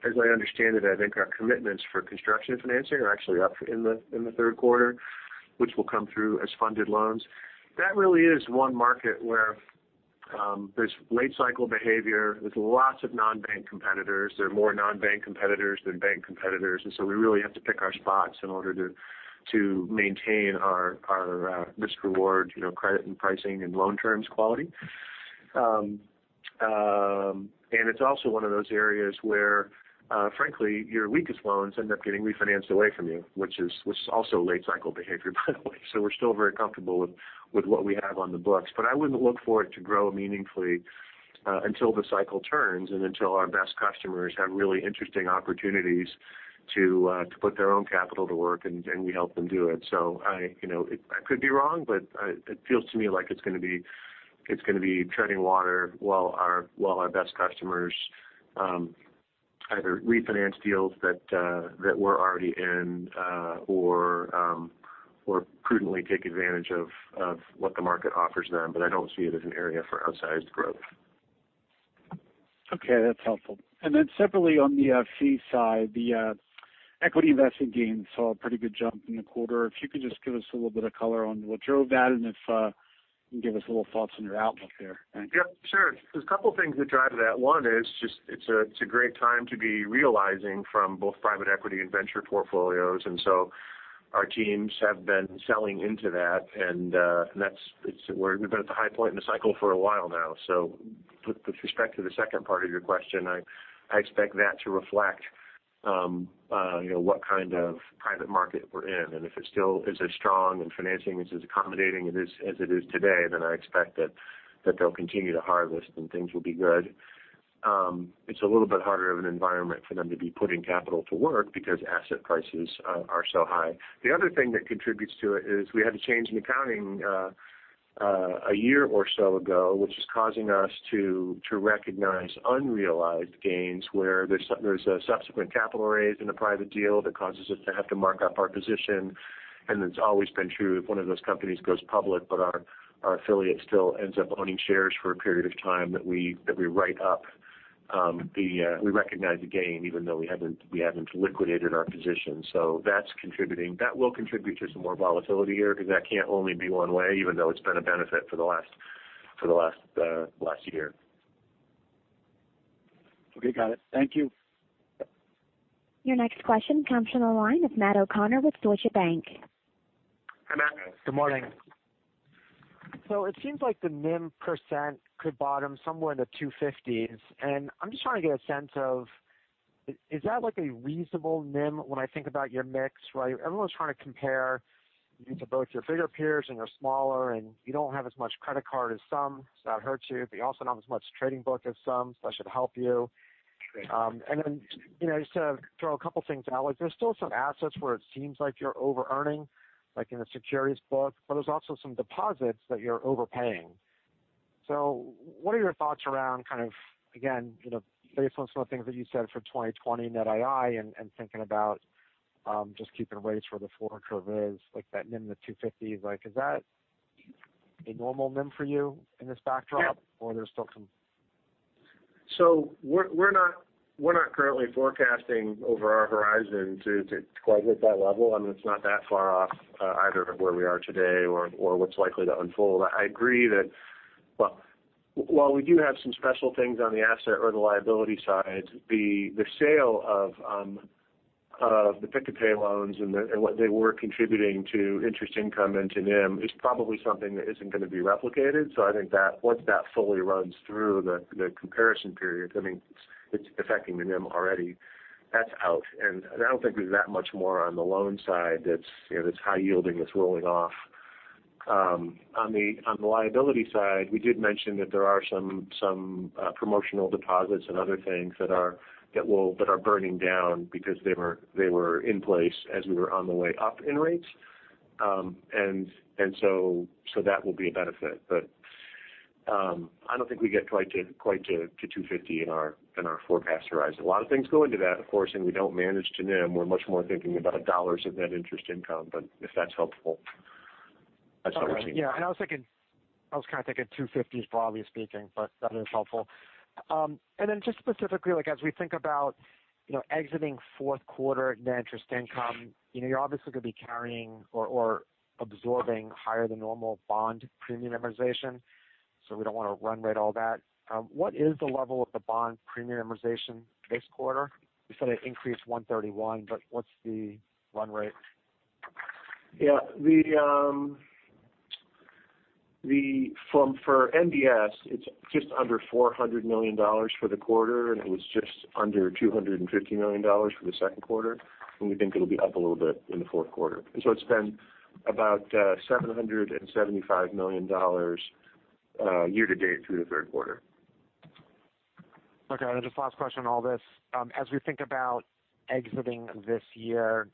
I understand it, I think our commitments for construction financing are actually up in the third quarter, which will come through as funded loans. That really is one market where there's late cycle behavior with lots of non-bank competitors. There are more non-bank competitors than bank competitors, we really have to pick our spots in order to maintain our risk reward, credit and pricing, and loan terms quality. It's also one of those areas where, frankly, your weakest loans end up getting refinanced away from you, which is also late cycle behavior, by the way. We're still very comfortable with what we have on the books. I wouldn't look for it to grow meaningfully until the cycle turns and until our best customers have really interesting opportunities to put their own capital to work, and we help them do it. I could be wrong, but it feels to me like it's going to be treading water while our best customers either refinance deals that we're already in or prudently take advantage of what the market offers them. I don't see it as an area for outsized growth. Okay. That's helpful. Separately on the fee side, the equity investment gains saw a pretty good jump in the quarter. If you could just give us a little bit of color on what drove that and if you can give us a little thoughts on your outlook there. Thanks. Yeah, sure. There's a couple things that drive that. One is just it's a great time to be realizing from both private equity and venture portfolios. Our teams have been selling into that, and we've been at the high point in the cycle for a while now. With respect to the second part of your question, I expect that to reflect what kind of private market we're in. If it still is as strong and financing is as accommodating as it is today, I expect that they'll continue to harvest and things will be good. It's a little bit harder of an environment for them to be putting capital to work because asset prices are so high. The other thing that contributes to it is we had a change in accounting a year or so ago, which is causing us to recognize unrealized gains where there's a subsequent capital raise in a private deal that causes us to have to mark up our position. It's always been true if one of those companies goes public, but our affiliate still ends up owning shares for a period of time that we write up. We recognize a gain even though we haven't liquidated our position. That will contribute to some more volatility here because that can't only be one way, even though it's been a benefit for the last year. Okay. Got it. Thank you. Your next question comes from the line of Matthew O'Connor with Deutsche Bank. Hi, Matt. Good morning. It seems like the NIM % could bottom somewhere in the 250s. I'm just trying to get a sense of, is that a reasonable NIM when I think about your mix, right? Everyone's trying to compare you to both your bigger peers and your smaller, and you don't have as much credit card as some, so that hurts you. You also don't have as much trading book as some, so that should help you. Great. Just to throw a couple things out, there's still some assets where it seems like you're over-earning, like in the securities book, but there's also some deposits that you're overpaying. What are your thoughts around kind of, again, based on some of the things that you said for 2020 NII and thinking about just keeping rates where the forward curve is, like that NIM in the 250s, is that a normal NIM for you in this backdrop, or there's still some? We're not currently forecasting over our horizon to quite hit that level. I mean, it's not that far off either where we are today or what's likely to unfold. I agree that while we do have some special things on the asset or the liability side, the sale of the pick-a-pay loans and what they were contributing to interest income into NIM is probably something that isn't going to be replicated. I think that once that fully runs through the comparison periods, I mean, it's affecting the NIM already. That's out, and I don't think there's that much more on the loan side that's high yielding that's rolling off. On the liability side, we did mention that there are some promotional deposits and other things that are burning down because they were in place as we were on the way up in rates. That will be a benefit. I don't think we get quite to 250 in our forecast horizon. A lot of things go into that, of course, and we don't manage to NIM. We're much more thinking about dollars of net interest income. If that's helpful, that's the way we see it. Yeah. I was kind of thinking 250s broadly speaking, but that is helpful. Just specifically as we think about exiting fourth quarter net interest income, you're obviously going to be carrying or absorbing higher than normal bond premium amortization. We don't want to run rate all that. What is the level of the bond premium amortization this quarter? You said it increased 131, but what's the run rate? Yeah. For MBS, it's just under $400 million for the quarter, it was just under $250 million for the second quarter. We think it'll be up a little bit in the fourth quarter. So it's been about $775 million year-to-date through the third quarter. Okay. Just last question on all this. As we think about exiting this year,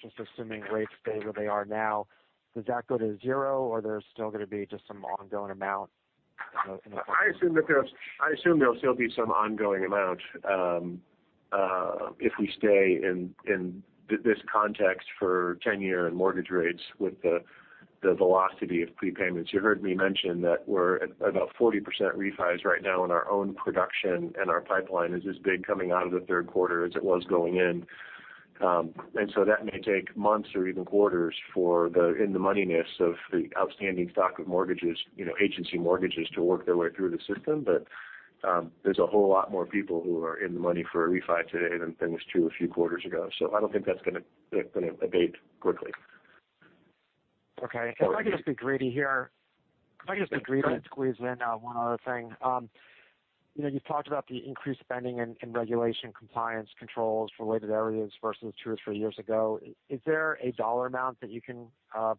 just assuming rates stay where they are now, does that go to zero or there's still going to be just some ongoing amount in the fourth quarter? I assume there'll still be some ongoing amount if we stay in this context for 10 year and mortgage rates with the velocity of prepayments. You heard me mention that we're at about 40% refis right now in our own production. Our pipeline is as big coming out of the third quarter as it was going in. That may take months or even quarters for the in the moneyness of the outstanding stock of mortgages, agency mortgages to work their way through the system. There's a whole lot more people who are in the money for a refi today than was true a few quarters ago. I don't think that's going to abate quickly. Okay. If I could just be greedy here. If I could just be greedy and squeeze in one other thing. You've talked about the increased spending in regulation compliance controls related areas versus two or three years ago. Is there a dollar amount that you can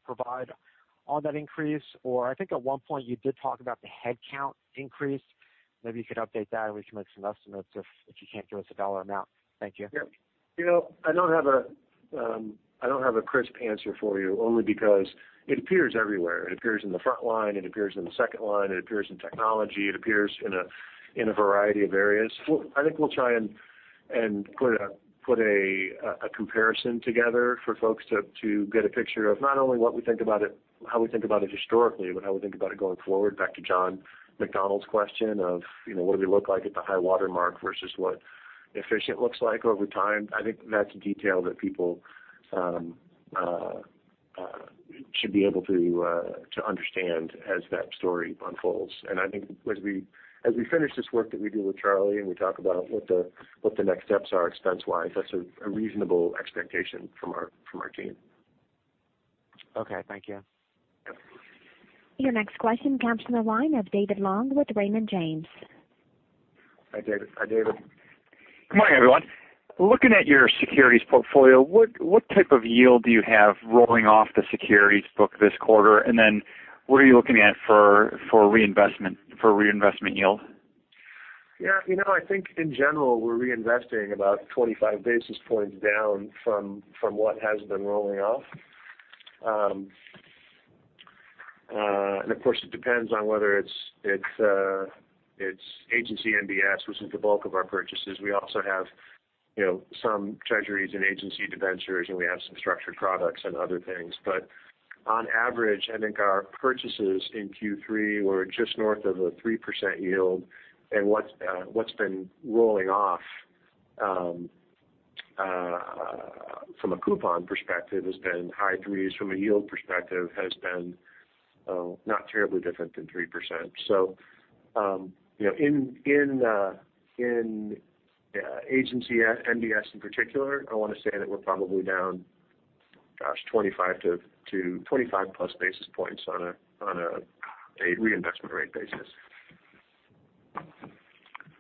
provide on that increase? I think at one point you did talk about the headcount increase. Maybe you could update that, and we can make some estimates if you can't give us a dollar amount. Thank you. Yeah. I don't have a crisp answer for you only because it appears everywhere. It appears in the front line, it appears in the second line, it appears in technology, it appears in a variety of areas. I think we'll try and put a comparison together for folks to get a picture of not only how we think about it historically, but how we think about it going forward. Back to John McDonald's question of what do we look like at the high water mark versus what efficient looks like over time. I think that's a detail that people should be able to understand as that story unfolds. I think as we finish this work that we do with Charlie and we talk about what the next steps are expense-wise, that's a reasonable expectation from our team. Okay. Thank you. Yep. Your next question comes from the line of David Long with Raymond James. Hi, David. Hi, David. Good morning, everyone. Looking at your securities portfolio, what type of yield do you have rolling off the securities book this quarter? What are you looking at for reinvestment yield? Yeah. I think in general, we're reinvesting about 25 basis points down from what has been rolling off. Of course, it depends on whether it's agency MBS, which is the bulk of our purchases. We also have some Treasuries and agency debentures, and we have some structured products and other things. On average, I think our purchases in Q3 were just north of a 3% yield, and what's been rolling off from a coupon perspective has been high threes, from a yield perspective, has been not terribly different than 3%. In agency MBS in particular, I want to say that we're probably down Gosh, 25+ basis points on a reinvestment rate basis.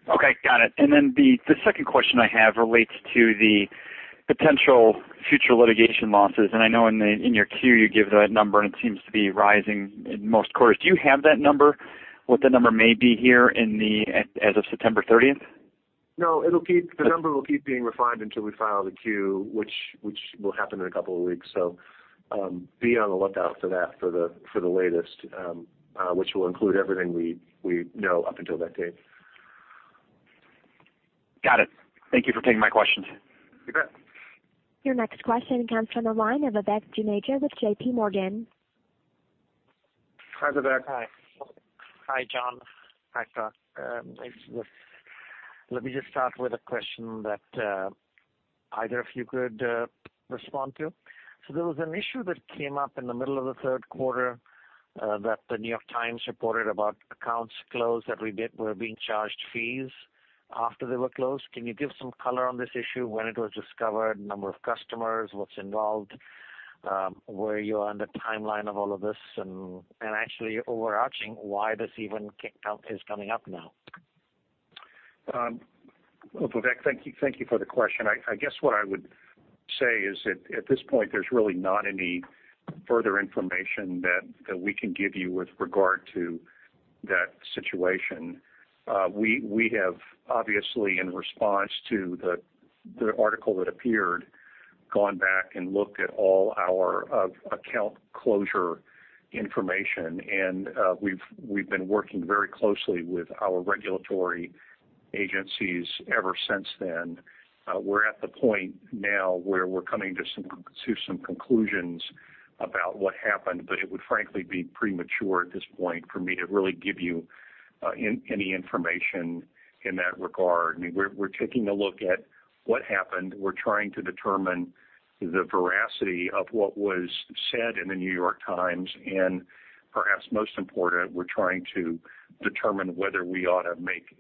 Okay. Got it. The second question I have relates to the potential future litigation losses. I know in your 10-Q you give that number, and it seems to be rising in most quarters. Do you have that number? What the number may be here as of September 30th? No, the number will keep being refined until we file the 10-Q, which will happen in a couple of weeks. Be on the lookout for that for the latest, which will include everything we know up until that date. Got it. Thank you for taking my questions. You bet. Your next question comes from the line of Vivek Juneja with JPMorgan. Hi, Vivek. Hi. Hi, John. Hi, Parker. Let me just start with a question that either of you could respond to. There was an issue that came up in the middle of the third quarter that The New York Times reported about accounts closed every bit were being charged fees after they were closed. Can you give some color on this issue when it was discovered, number of customers, what's involved? Where you are on the timeline of all of this and actually overarching, why this even is coming up now? Well, Vivek, thank you for the question. I guess what I would say is at this point, there's really not any further information that we can give you with regard to that situation. We have obviously, in response to the article that appeared, gone back and looked at all our account closure information, and we've been working very closely with our regulatory agencies ever since then. We're at the point now where we're coming to some conclusions about what happened, but it would frankly be premature at this point for me to really give you any information in that regard. We're taking a look at what happened. We're trying to determine the veracity of what was said in The New York Times, and perhaps most important, we're trying to determine whether we ought to make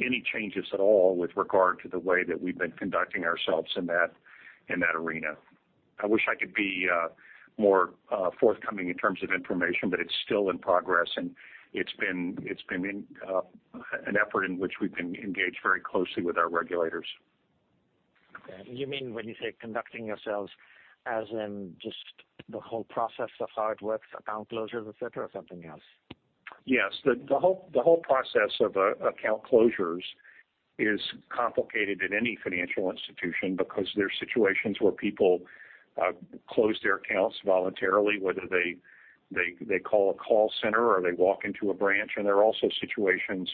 any changes at all with regard to the way that we've been conducting ourselves in that arena. I wish I could be more forthcoming in terms of information, but it's still in progress, and it's been an effort in which we've been engaged very closely with our regulators. Okay. You mean when you say conducting yourselves as in just the whole process of how it works, account closures, et cetera, or something else? Yes. The whole process of account closures is complicated at any financial institution because there's situations where people close their accounts voluntarily, whether they call a call center or they walk into a branch. There are also situations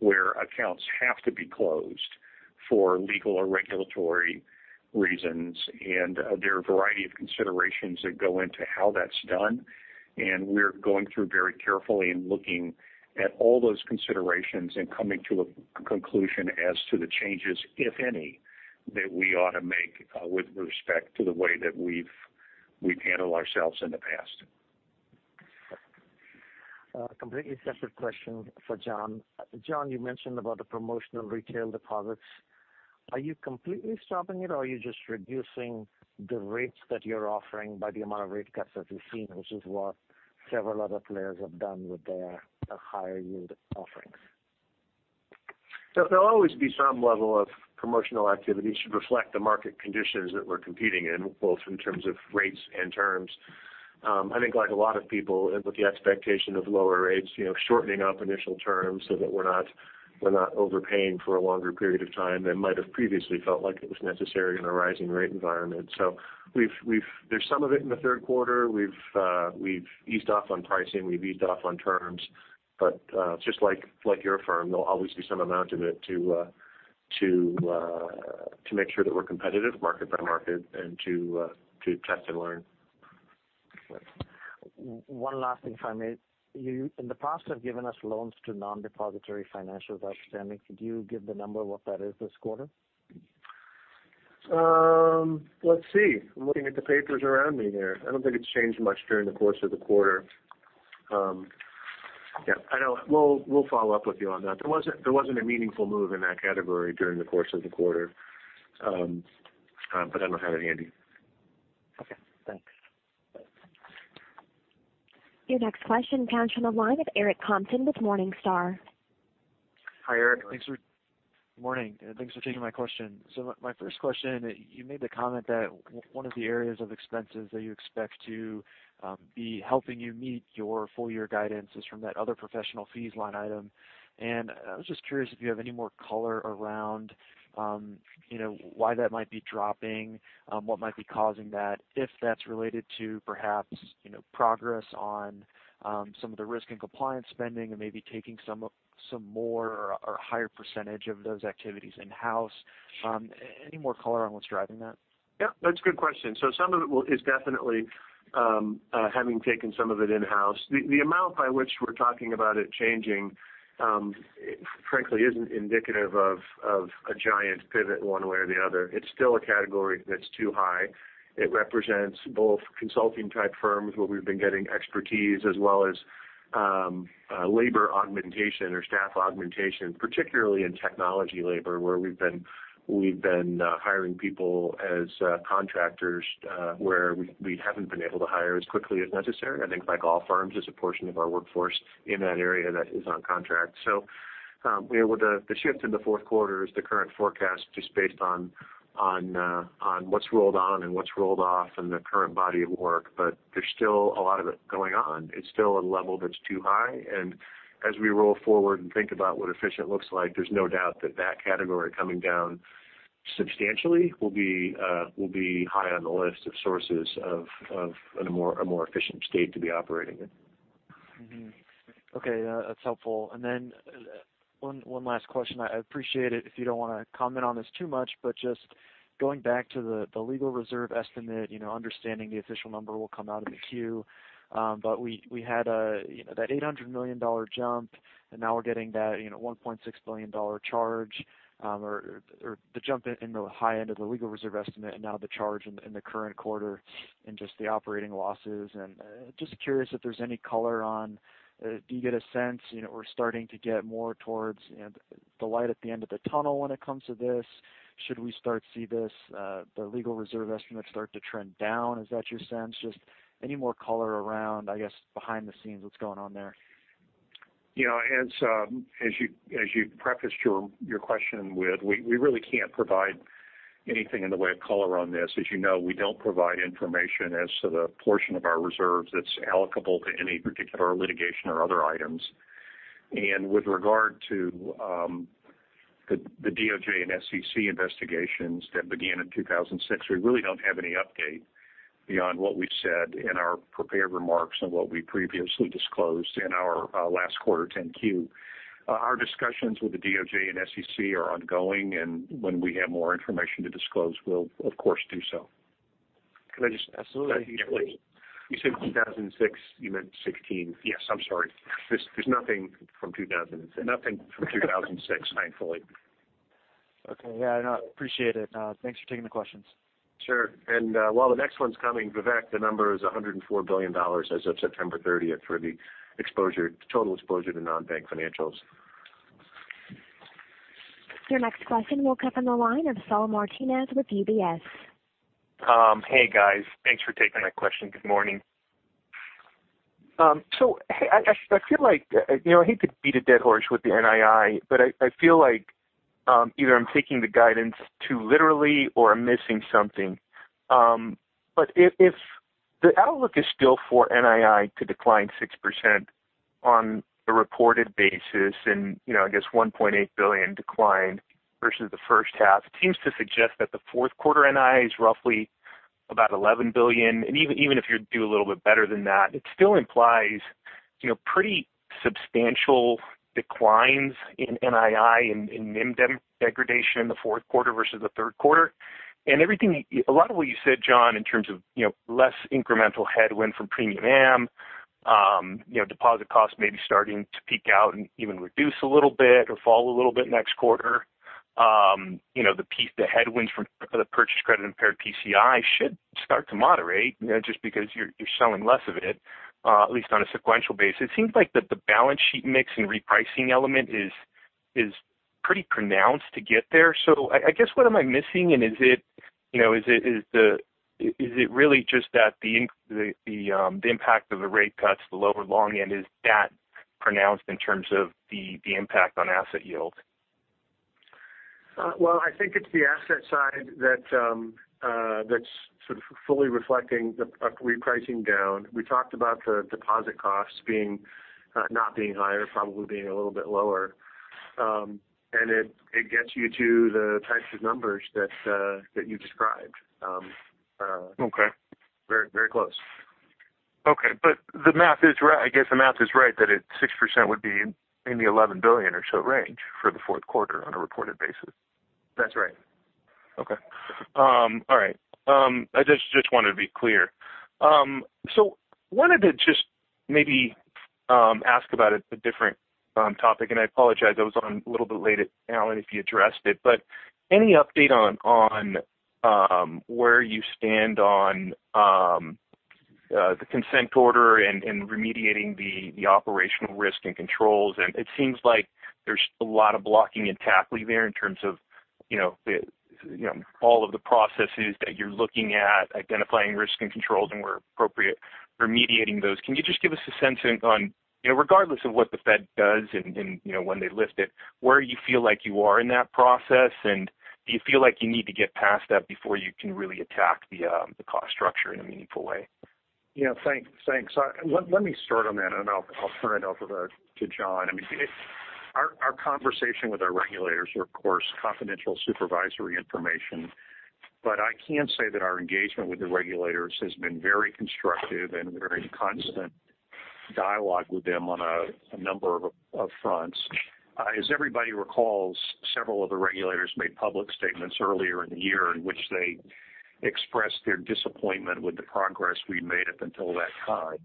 where accounts have to be closed for legal or regulatory reasons. There are a variety of considerations that go into how that's done, and we're going through very carefully and looking at all those considerations and coming to a conclusion as to the changes, if any, that we ought to make with respect to the way that we've handled ourselves in the past. A completely separate question for John. John, you mentioned about the promotional retail deposits. Are you completely stopping it or are you just reducing the rates that you're offering by the amount of rate cuts that we've seen, which is what several other players have done with their higher yield offerings? There'll always be some level of promotional activity to reflect the market conditions that we're competing in, both in terms of rates and terms. I think like a lot of people with the expectation of lower rates, shortening up initial terms so that we're not overpaying for a longer period of time than might have previously felt like it was necessary in a rising rate environment. There's some of it in the third quarter. We've eased off on pricing. We've eased off on terms. Just like your firm, there'll always be some amount of it to make sure that we're competitive market by market and to test and learn. One last thing, if I may. You in the past have given us loans to non-depository financials outstanding. Could you give the number of what that is this quarter? Let's see. I'm looking at the papers around me here. I don't think it's changed much during the course of the quarter. We'll follow up with you on that. There wasn't a meaningful move in that category during the course of the quarter. I don't have it handy. Okay, thanks. Your next question comes from the line of Eric Compton with Morningstar. Hi, Eric. Good morning, thanks for taking my question. My first question, you made the comment that one of the areas of expenses that you expect to be helping you meet your full year guidance is from that other professional fees line item. I was just curious if you have any more color around why that might be dropping, what might be causing that, if that's related to perhaps progress on some of the risk and compliance spending and maybe taking some more or a higher percentage of those activities in-house. Any more color on what's driving that? Yeah, that's a good question. Some of it is definitely having taken some of it in-house. The amount by which we're talking about it changing, frankly, isn't indicative of a giant pivot one way or the other. It's still a category that's too high. It represents both consulting-type firms where we've been getting expertise as well as. Labor augmentation or staff augmentation, particularly in technology labor, where we've been hiring people as contractors where we haven't been able to hire as quickly as necessary. I think like all firms, there's a portion of our workforce in that area that is on contract. The shift in the fourth quarter is the current forecast just based on what's rolled on and what's rolled off and the current body of work. There's still a lot of it going on. It's still at a level that's too high. As we roll forward and think about what efficient looks like, there's no doubt that that category coming down substantially will be high on the list of sources of a more efficient state to be operating in. Okay, that's helpful. One last question. I appreciate it if you don't want to comment on this too much. Just going back to the legal reserve estimate, understanding the official number will come out in the 10-Q, but we had that $800 million jump, and now we're getting that $1.6 billion charge or the jump in the high end of the legal reserve estimate and now the charge in the current quarter and just the operating losses. Just curious if there's any color on, do you get a sense we're starting to get more towards the light at the end of the tunnel when it comes to this? Should we start to see the legal reserve estimates start to trend down? Is that your sense? Just any more color around, I guess, behind the scenes, what's going on there? As you prefaced your question with, we really can't provide anything in the way of color on this. As you know, we don't provide information as to the portion of our reserves that's applicable to any particular litigation or other items. With regard to the DOJ and SEC investigations that began in 2006, we really don't have any update beyond what we've said in our prepared remarks and what we previously disclosed in our last quarter 10-Q. Our discussions with the DOJ and SEC are ongoing, and when we have more information to disclose, we'll of course do so. Can I just. Absolutely. You said 2006, you meant 2016. Yes, I'm sorry. There's nothing from 2006. Nothing from 2006, thankfully. Okay. Yeah, I know. Appreciate it. Thanks for taking the questions. Sure. While the next one's coming, Vivek, the number is $104 billion as of September 30th for the total exposure to non-bank financials. Your next question will come on the line of Saul Martinez with UBS. Hey, guys. Thanks for taking my question. Good morning. I feel like, I hate to beat a dead horse with the NII, but I feel like either I'm taking the guidance too literally or I'm missing something. If the outlook is still for NII to decline 6% on a reported basis, I guess $1.8 billion decline versus the first half seems to suggest that the fourth quarter NII is roughly about $11 billion. Even if you do a little bit better than that, it still implies pretty substantial declines in NII and NIM degradation in the fourth quarter versus the third quarter. A lot of what you said, John, in terms of less incremental headwind from premium M, deposit costs may be starting to peak out and even reduce a little bit or fall a little bit next quarter. The headwinds for the purchase credit impaired PCI should start to moderate, just because you're selling less of it, at least on a sequential basis. It seems like that the balance sheet mix and repricing element is pretty pronounced to get there. I guess, what am I missing? Is it really just that the impact of the rate cuts, the lower long end, is that pronounced in terms of the impact on asset yield? Well, I think it's the asset side that's sort of fully reflecting the repricing down. We talked about the deposit costs not being higher, probably being a little bit lower. It gets you to the types of numbers that you described. Okay. Very close. Okay. I guess the math is right that it's 6% would be in the $11 billion or so range for the fourth quarter on a reported basis. That's right. Okay. All right. I just wanted to be clear. I wanted to just maybe ask about a different topic, and I apologize. I was on a little bit late, Allen, if you addressed it, but any update on where you stand on the consent order and remediating the operational risk and controls? It seems like there's a lot of blocking and tackling there in terms of all of the processes that you're looking at, identifying risk and controls and where appropriate, remediating those. Can you just give us a sense on, regardless of what the Fed does and when they lift it, where you feel like you are in that process, and do you feel like you need to get past that before you can really attack the cost structure in a meaningful way? Yeah. Thanks. Let me start on that, and I'll turn it over to John. Our conversation with our regulators are, of course, confidential supervisory information. I can say that our engagement with the regulators has been very constructive, and we're in constant dialogue with them on a number of fronts. As everybody recalls, several of the regulators made public statements earlier in the year in which they expressed their disappointment with the progress we'd made up until that time.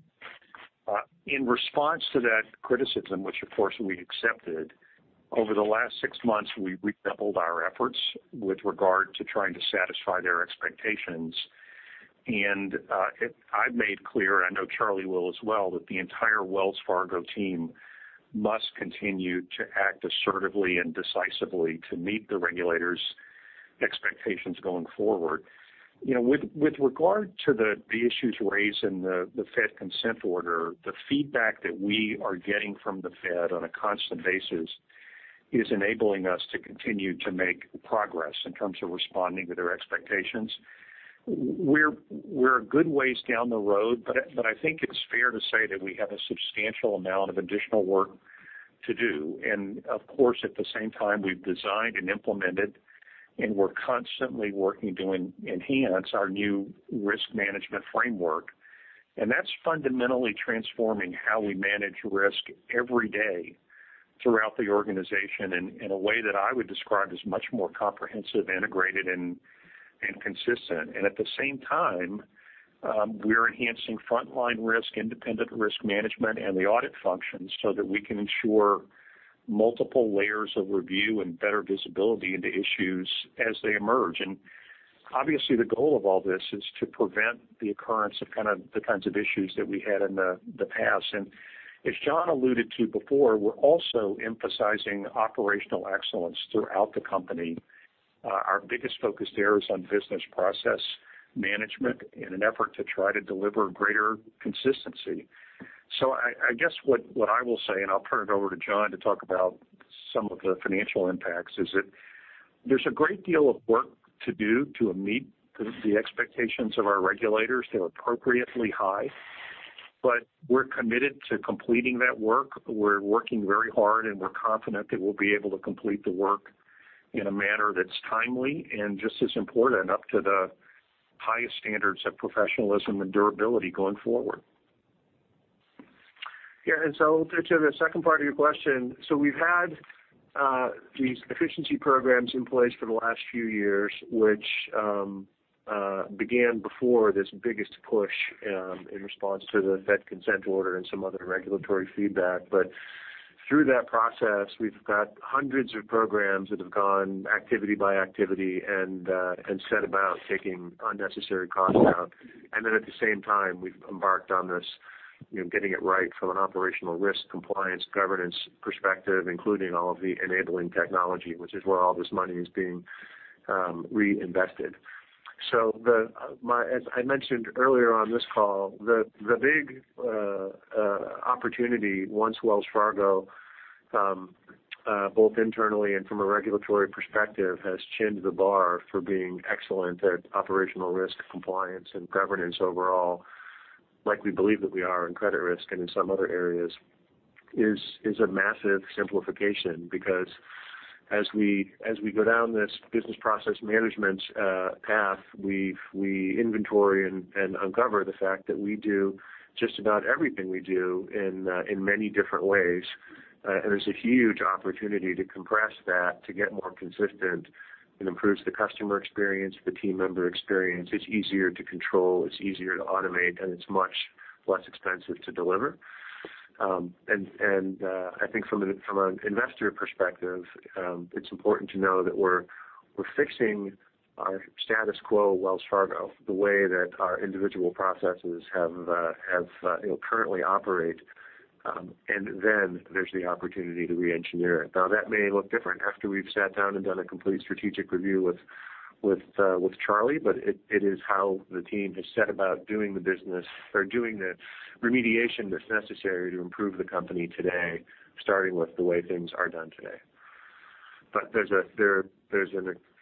In response to that criticism, which of course we accepted, over the last six months, we've redoubled our efforts with regard to trying to satisfy their expectations. I've made clear, I know Charlie will as well, that the entire Wells Fargo team must continue to act assertively and decisively to meet the regulators' expectations going forward. With regard to the issues raised in the Fed consent order, the feedback that we are getting from the Fed on a constant basis is enabling us to continue to make progress in terms of responding to their expectations. We're a good way down the road, but I think it's fair to say that we have a substantial amount of additional work to do. Of course, at the same time, we've designed and implemented, and we're constantly working to enhance our new risk management framework. That's fundamentally transforming how we manage risk every day throughout the organization in a way that I would describe as much more comprehensive, integrated, and consistent. At the same time, we're enhancing frontline risk, independent risk management, and the audit functions so that we can ensure multiple layers of review and better visibility into issues as they emerge. Obviously, the goal of all this is to prevent the occurrence of the kinds of issues that we had in the past. As John alluded to before, we're also emphasizing operational excellence throughout the company. Our biggest focus there is on business process management in an effort to try to deliver greater consistency. I guess what I will say, and I'll turn it over to John to talk about some of the financial impacts, is that there's a great deal of work to do to meet the expectations of our regulators. They're appropriately high. We're committed to completing that work. We're working very hard, and we're confident that we'll be able to complete the work in a manner that's timely and just as important, up to the highest standards of professionalism and durability going forward. Yeah. To the second part of your question, we've had these efficiency programs in place for the last few years, which began before this biggest push in response to the Fed consent order and some other regulatory feedback. Through that process, we've got hundreds of programs that have gone activity by activity and set about taking unnecessary costs out. Then at the same time, we've embarked on this getting it right from an operational risk compliance, governance perspective, including all of the enabling technology, which is where all this money is being reinvested. As I mentioned earlier on this call, the big opportunity once Wells Fargo, both internally and from a regulatory perspective, has chinned the bar for being excellent at operational risk compliance and governance overall, like we believe that we are in credit risk and in some other areas, is a massive simplification. As we go down this business process management path, we inventory and uncover the fact that we do just about everything we do in many different ways. There's a huge opportunity to compress that to get more consistent. It improves the customer experience, the team member experience. It's easier to control, it's easier to automate, and it's much less expensive to deliver. I think from an investor perspective, it's important to know that we're fixing our status quo Wells Fargo, the way that our individual processes currently operate, and then there's the opportunity to re-engineer it. That may look different after we've sat down and done a complete strategic review with Charlie, but it is how the team has set about doing the business or doing the remediation that's necessary to improve the company today, starting with the way things are done today. There's,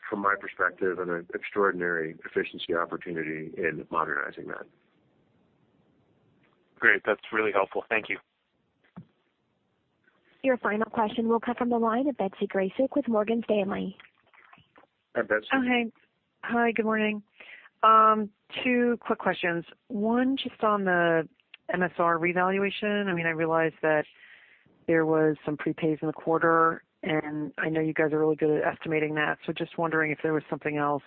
from my perspective, an extraordinary efficiency opportunity in modernizing that. Great. That's really helpful. Thank you. Your final question will come from the line of Betsy Graseck with Morgan Stanley. Hi, Betsy. Oh, hey. Hi, good morning. Two quick questions. One, just on the MSR revaluation. I realize that there was some prepays in the quarter, and I know you guys are really good at estimating that. Just wondering if there was something else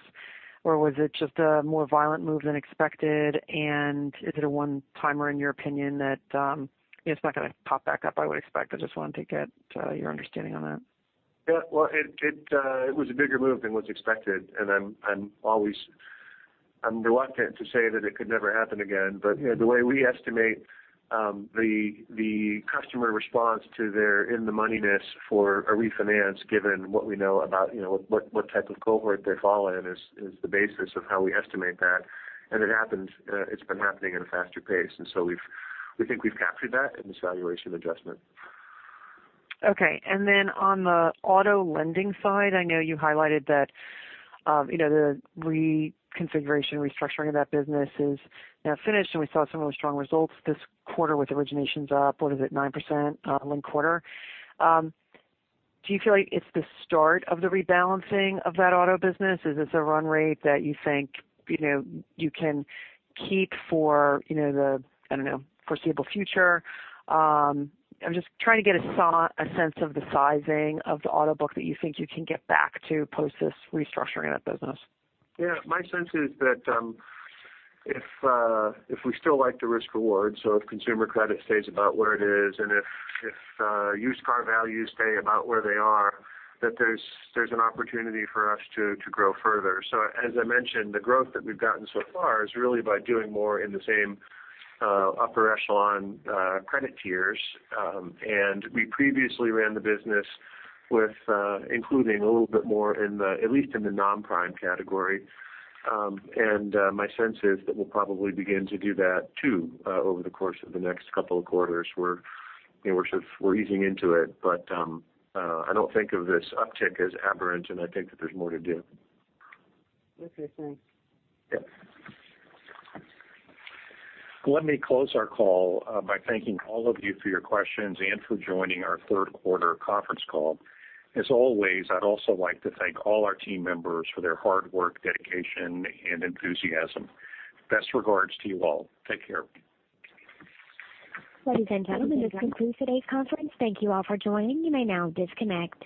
or was it just a more violent move than expected, and is it a one-timer in your opinion that it's not going to pop back up, I would expect? I just wanted to get your understanding on that. Yeah. Well, it was a bigger move than was expected, and I'm reluctant to say that it could never happen again. The way we estimate the customer response to their in-the-moneyness for a refinance, given what we know about what type of cohort they fall in, is the basis of how we estimate that. It's been happening at a faster pace. We think we've captured that in this valuation adjustment. Okay. On the auto lending side, I know you highlighted that the reconfiguration, restructuring of that business is now finished, and we saw some really strong results this quarter with originations up, what is it, 9% linked quarter. Do you feel like it's the start of the rebalancing of that auto business? Is this a run rate that you think you can keep for the foreseeable future? I'm just trying to get a sense of the sizing of the auto book that you think you can get back to post this restructuring of the business. Yeah. My sense is that if we still like the risk reward, if consumer credit stays about where it is and if used car values stay about where they are, that there's an opportunity for us to grow further. As I mentioned, the growth that we've gotten so far is really by doing more in the same upper echelon credit tiers. We previously ran the business including a little bit more at least in the non-prime category. My sense is that we'll probably begin to do that, too, over the course of the next couple of quarters. We're easing into it, but I don't think of this uptick as aberrant, and I think that there's more to do. Interesting. Yeah. Let me close our call by thanking all of you for your questions and for joining our third quarter conference call. As always, I'd also like to thank all our team members for their hard work, dedication, and enthusiasm. Best regards to you all. Take care. Ladies and gentlemen, this concludes today's conference. Thank you all for joining. You may now disconnect.